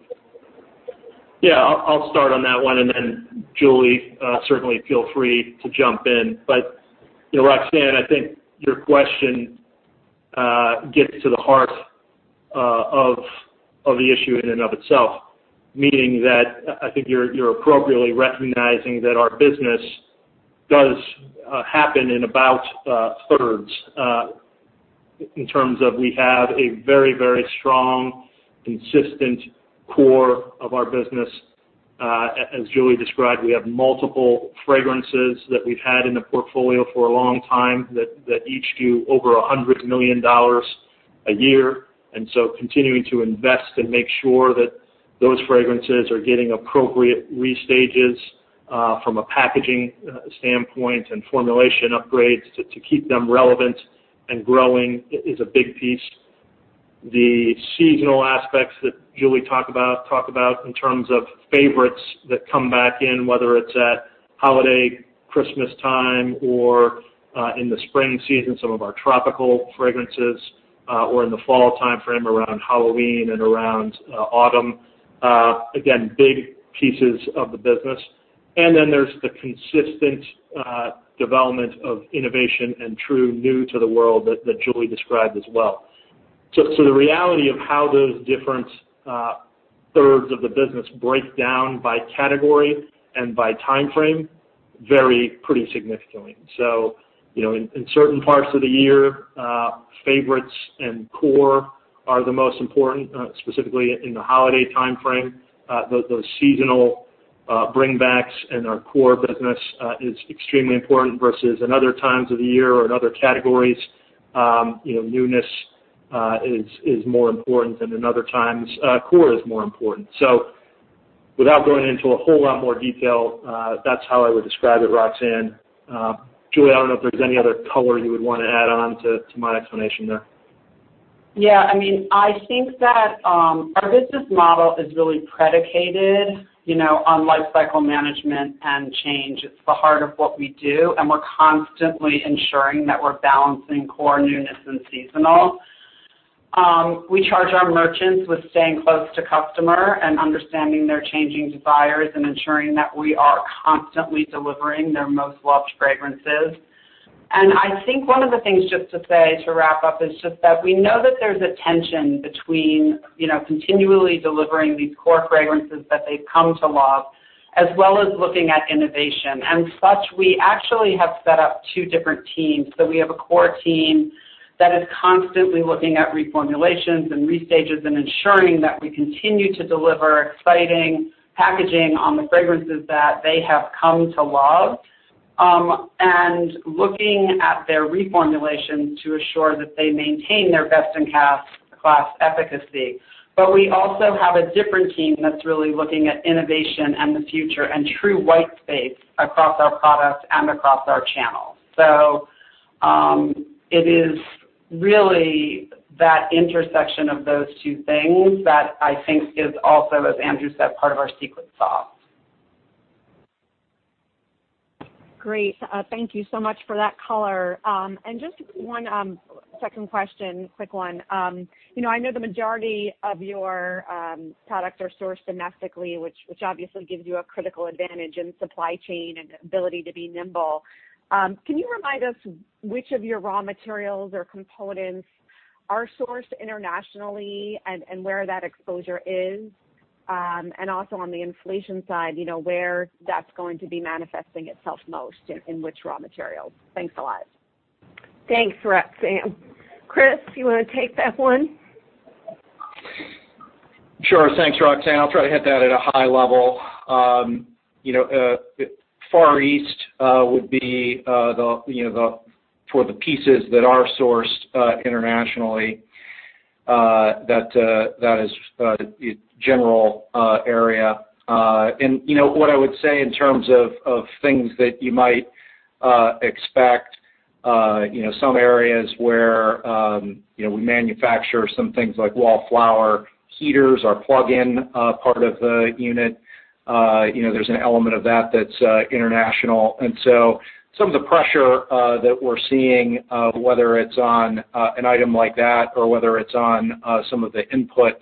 Yeah, I'll start on that one, and then Julie, certainly feel free to jump in. Roxanne, I think your question gets to the heart of the issue in and of itself, meaning that I think you're appropriately recognizing that our business does happen in about thirds, in terms of we have a very strong, consistent core of our business. As Julie described, we have multiple fragrances that we've had in the portfolio for a long time that each do over $100 million a year. Continuing to invest and make sure that those fragrances are getting appropriate restages from a packaging standpoint and formulation upgrades to keep them relevant and growing is a big piece. The seasonal aspects that Julie talked about in terms of favorites that come back in, whether it's at holiday, Christmastime, or in the spring season, some of our tropical fragrances, or in the fall timeframe around Halloween and around autumn. Again, big pieces of the business. There's the consistent development of innovation and true new to the world that Julie described as well. The reality of how those different thirds of the business break down by category and by timeframe vary pretty significantly. In certain parts of the year, favorites and core are the most important, specifically in the holiday timeframe. Those seasonal bring backs in our core business is extremely important versus in other times of the year or in other categories, newness is more important than in other times core is more important. Without going into a whole lot more detail, that's how I would describe it, Roxanne. Julie, I don't know if there's any other color you would want to add on to my explanation there. Yeah, I think that our business model is really predicated on lifecycle management and change. It's the heart of what we do, and we're constantly ensuring that we're balancing core, newness, and seasonal. We charge our merchants with staying close to customer and understanding their changing desires and ensuring that we are constantly delivering their most loved fragrances. I think one of the things just to say to wrap up is just that we know that there's a tension between continually delivering these core fragrances that they've come to love, as well as looking at innovation. As such, we actually have set up two different teams. We have a core team that is constantly looking at reformulations and restages and ensuring that we continue to deliver exciting packaging on the fragrances that they have come to love, and looking at their reformulation to assure that they maintain their best-in-class efficacy. We also have a different team that's really looking at innovation and the future and true white space across our products and across our channels. It is really that intersection of those two things that I think is also, as Andrew said, part of our secret sauce. Great. Thank you so much for that color. Just one second question, quick one. I know the majority of your products are sourced domestically, which obviously gives you a critical advantage in supply chain and ability to be nimble. Can you remind us which of your raw materials or components are sourced internationally and where that exposure is? Also on the inflation side, where that's going to be manifesting itself most, in which raw materials? Thanks a lot. Thanks, Roxanne. Chris, you want to take that one? Sure. Thanks, Roxanne. I'll try to hit that at a high level. Far East would be for the pieces that are sourced internationally, that is the general area. What I would say in terms of things that you might expect, some areas where we manufacture some things like Wallflowers heaters, our plugin part of the unit, there's an element of that that's international. Some of the pressure that we're seeing, whether it's on an item like that or whether it's on some of the input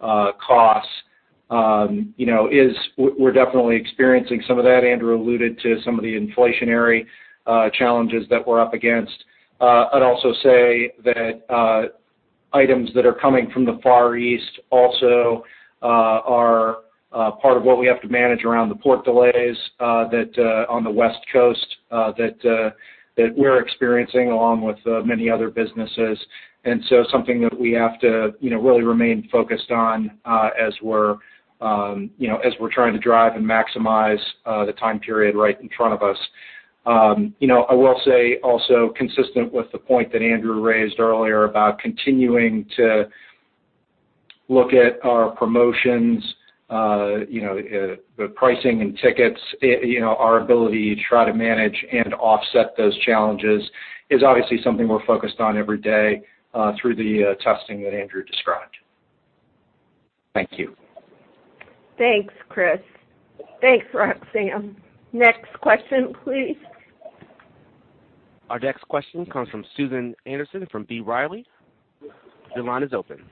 costs, we're definitely experiencing some of that. Andrew alluded to some of the inflationary challenges that we're up against. I'd also say that items that are coming from the Far East also are part of what we have to manage around the port delays on the West Coast that we're experiencing along with many other businesses. Something that we have to really remain focused on as we're trying to drive and maximize the time period right in front of us. I will say also, consistent with the point that Andrew raised earlier about continuing to look at our promotions, the pricing and tickets, our ability to try to manage and offset those challenges is obviously something we're focused on every day, through the testing that Andrew described. Thank you. Thanks, Chris. Thanks, Roxanne. Next question, please. Our next question comes from Susan Anderson from B. Riley. Your line is open.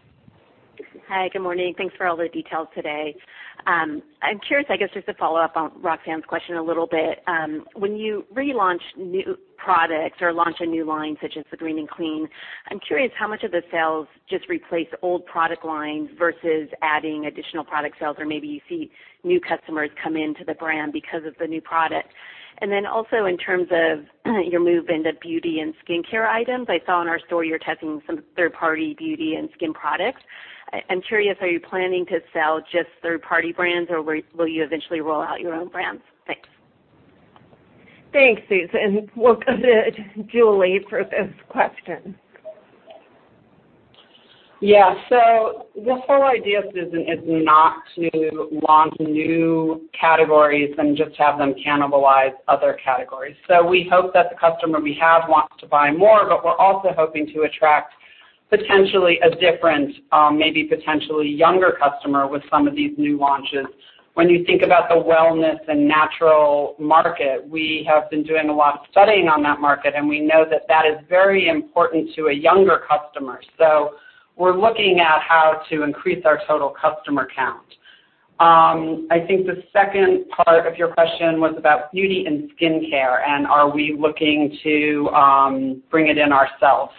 Hi, good morning. Thanks for all the details today. I'm curious, I guess just to follow up on Roxanne's question a little bit. When you relaunch new products or launch a new line, such as the Green and Clean, I'm curious how much of the sales just replace old product lines versus adding additional product sales? Maybe you see new customers come into the brand because of the new product. Also in terms of your move into beauty and skincare items, I saw in our store you're testing some third-party beauty and skin products. I'm curious, are you planning to sell just third-party brands, or will you eventually roll out your own brands? Thanks. Thanks, Susan. We'll go to Julie for this question. Yeah. The whole idea, Susan, is not to launch new categories and just have them cannibalize other categories. We hope that the customer we have wants to buy more, but we're also hoping to attract potentially a different, maybe potentially younger customer with some of these new launches. When you think about the wellness and natural market, we have been doing a lot of studying on that market, and we know that that is very important to a younger customer. We're looking at how to increase our total customer count. I think the second part of your question was about beauty and skincare and are we looking to bring it in ourselves.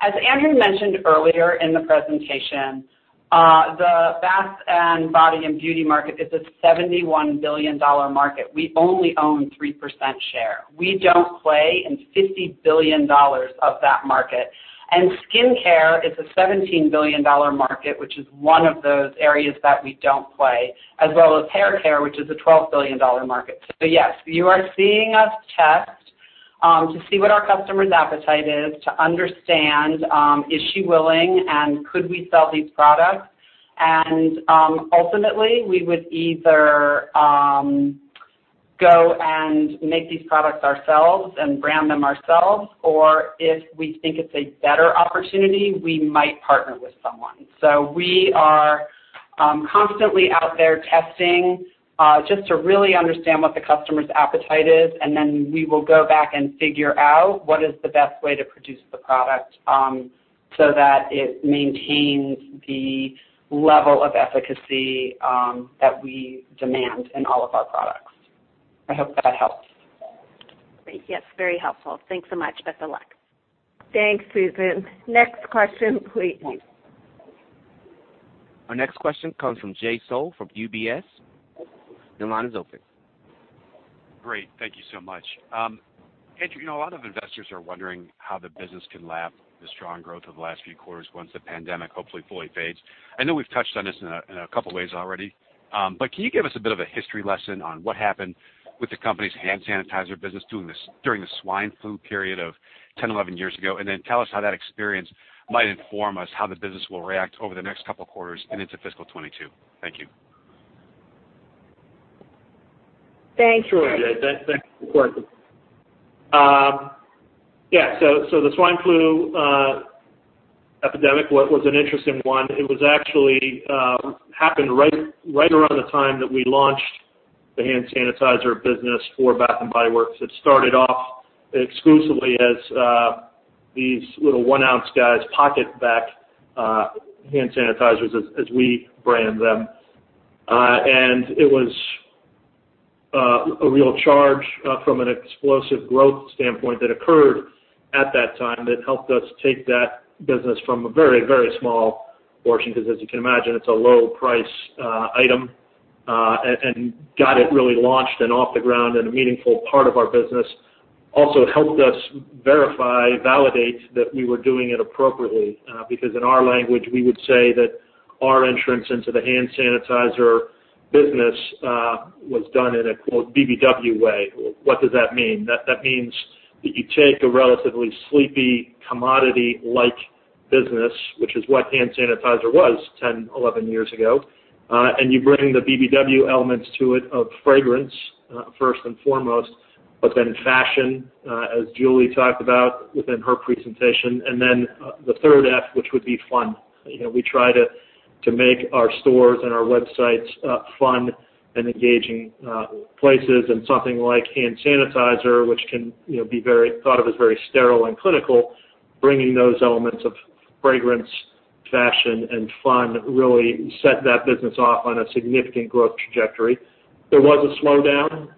As Andrew mentioned earlier in the presentation, the bath and body and beauty market is a $71 billion market. We only own 3% share. We don't play in $50 billion of that market. Skincare is a $17 billion market, which is one of those areas that we don't play, as well as haircare, which is a $12 billion market. Yes, you are seeing us test to see what our customer's appetite is, to understand, is she willing, and could we sell these products? Ultimately, we would either go and make these products ourselves and brand them ourselves, or if we think it's a better opportunity, we might partner with someone. I'm constantly out there testing, just to really understand what the customer's appetite is, and then we will go back and figure out what is the best way to produce the product, so that it maintains the level of efficacy that we demand in all of our products. I hope that helps. Great. Yes, very helpful. Thanks so much, best of luck. Thanks, Susan. Next question, please. Our next question comes from Jay Sole from UBS. Your line is open. Great. Thank you so much. Andrew, a lot of investors are wondering how the business can lap the strong growth of the last few quarters once the pandemic hopefully fully fades. I know we've touched on this in a couple of ways already, but can you give us a bit of a history lesson on what happened with the company's hand sanitizer business during the swine flu period of 10, 11 years ago? Tell us how that experience might inform us how the business will react over the next couple of quarters and into fiscal 2022. Thank you. Thanks, Jay. Sure, Jay. Thanks for the question. Yeah. The swine flu epidemic was an interesting one. It actually happened right around the time that we launched the hand sanitizer business for Bath & Body Works. It started off exclusively as these little 1 oz guys, PocketBac hand sanitizers, as we brand them. It was a real charge from an explosive growth standpoint that occurred at that time, that helped us take that business from a very small portion, because as you can imagine, it's a low-price item, and got it really launched and off the ground and a meaningful part of our business. Also, it helped us verify, validate that we were doing it appropriately, because in our language, we would say that our entrance into the hand sanitizer business was done in a quote, BBW way. What does that mean? That means that you take a relatively sleepy, commodity-like business, which is what hand sanitizer was 10, 11 years ago, and you bring the BBW elements to it of fragrance, first and foremost, but then fashion, as Julie talked about within her presentation, and then the third F, which would be fun. We try to make our stores and our websites fun and engaging places, and something like hand sanitizer, which can be thought of as very sterile and clinical, bringing those elements of fragrance, fashion, and fun really set that business off on a significant growth trajectory. There was a slowdown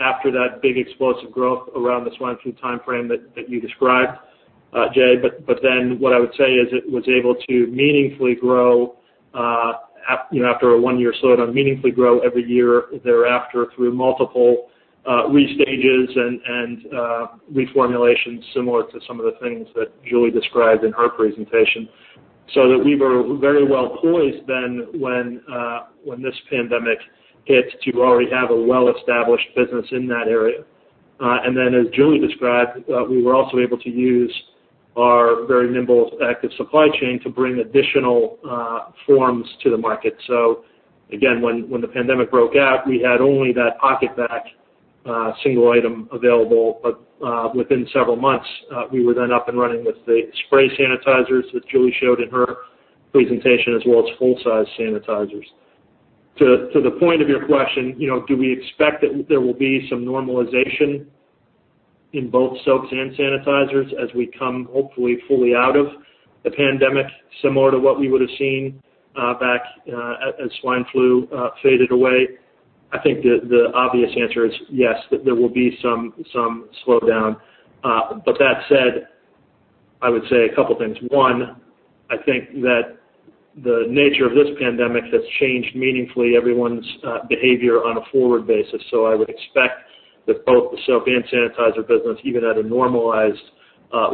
after that big explosive growth around the swine flu timeframe that you described, Jay. What I would say is it was able to meaningfully grow after a one-year slowdown, meaningfully grow every year thereafter through multiple restages and reformulations, similar to some of the things that Julie described in her presentation. We were very well poised then when this pandemic hit to already have a well-established business in that area. As Julie described, we were also able to use our very nimble, effective supply chain to bring additional forms to the market. When the pandemic broke out, we had only that PocketBac single item available. Within several months, we were then up and running with the spray sanitizers that Julie showed in her presentation, as well as full-size sanitizers. To the point of your question, do we expect that there will be some normalization in both soaps and sanitizers as we come, hopefully, fully out of the pandemic, similar to what we would've seen back as swine flu faded away? I think the obvious answer is yes, that there will be some slowdown. But that said, I would say a couple things. One, I think that the nature of this pandemic has changed meaningfully everyone's behavior on a forward basis. So I would expect that both the soap and sanitizer business, even at a normalized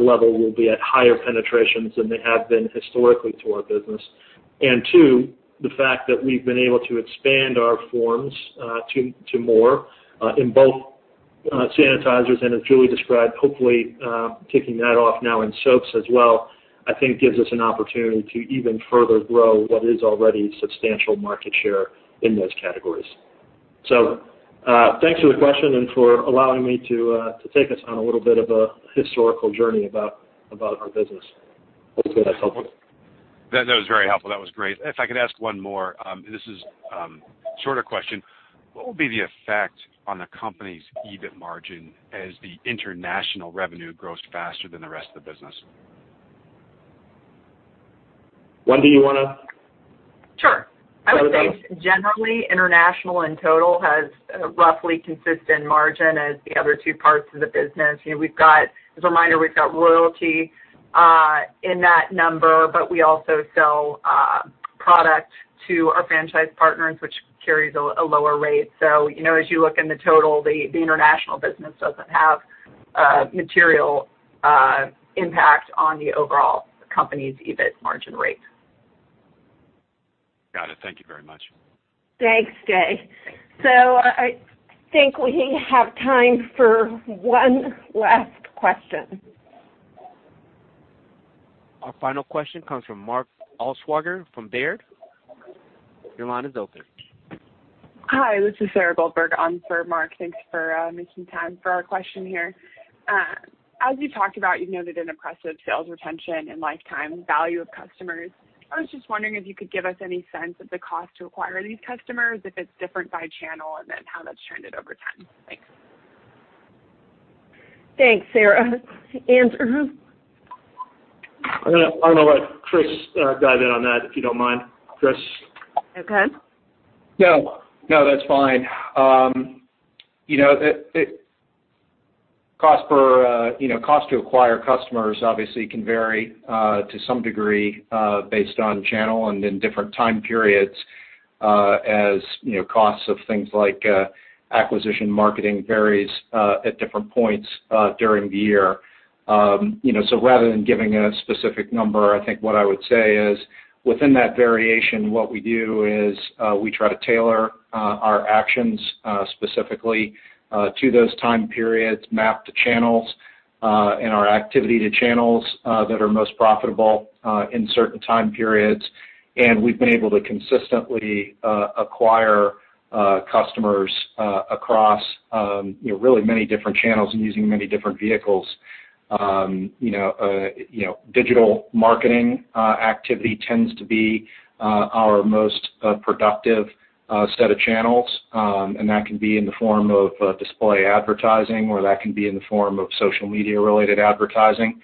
level, will be at higher penetrations than they have been historically to our business. Two, the fact that we've been able to expand our forms to more in both sanitizers and, as Julie described, hopefully kicking that off now in soaps as well, I think gives us an opportunity to even further grow what is already substantial market share in those categories. Thanks for the question and for allowing me to take us on a little bit of a historical journey about our business. Hopefully, that's helpful. That was very helpful. That was great. If I could ask one more, and this is a shorter question. What will be the effect on the company's EBIT margin as the international revenue grows faster than the rest of the business? Wendy, you wanna? Sure. I would say generally, international in total has a roughly consistent margin as the other two parts of the business. As a reminder, we've got royalty in that number, but we also sell product to our franchise partners, which carries a lower rate. As you look in the total, the international business doesn't have a material impact on the overall company's EBIT margin rate. Got it. Thank you very much. Thanks, Jay. I think we have time for one last question. Our final question comes from Mark Altschwager from Baird. Your line is open Hi, this is Sarah Goldberg on for Mark. Thanks for making time for our question here. As you talked about, you've noted an impressive sales retention and lifetime value of customers. I was just wondering if you could give us any sense of the cost to acquire these customers, if it's different by channel, and then how that's trended over time. Thanks. Thanks, Sarah. Andrew? I'm going to let Chris dive in on that, if you don't mind. Chris? Okay. No, that's fine. Cost to acquire customers obviously can vary to some degree based on channel and in different time periods, as costs of things like acquisition marketing varies at different points during the year. Rather than giving a specific number, I think what I would say is, within that variation, what we do is we try to tailor our actions specifically to those time periods, map the channels and our activity to channels that are most profitable in certain time periods. We've been able to consistently acquire customers across really many different channels and using many different vehicles. Digital marketing activity tends to be our most productive set of channels. That can be in the form of display advertising, or that can be in the form of social media-related advertising.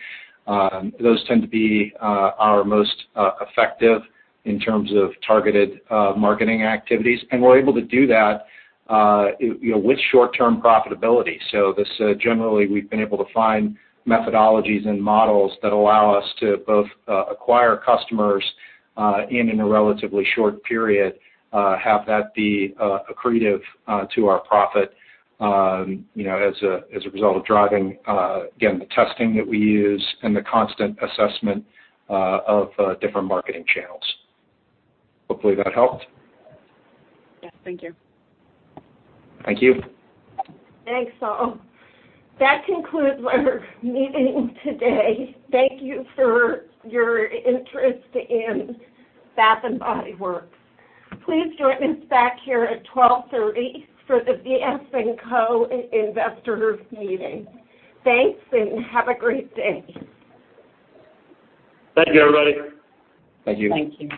Those tend to be our most effective in terms of targeted marketing activities. We're able to do that with short-term profitability. Generally, we've been able to find methodologies and models that allow us to both acquire customers and, in a relatively short period, have that be accretive to our profit as a result of driving, again, the testing that we use and the constant assessment of different marketing channels. Hopefully that helped. Yes. Thank you. Thank you. Thanks, all. That concludes our meeting today. Thank you for your interest in Bath & Body Works. Please join us back here at 12:30 P.M. for the VS&Co Investor Meeting. Thanks. Have a great day. Thank you, everybody. Thank you. Thank you.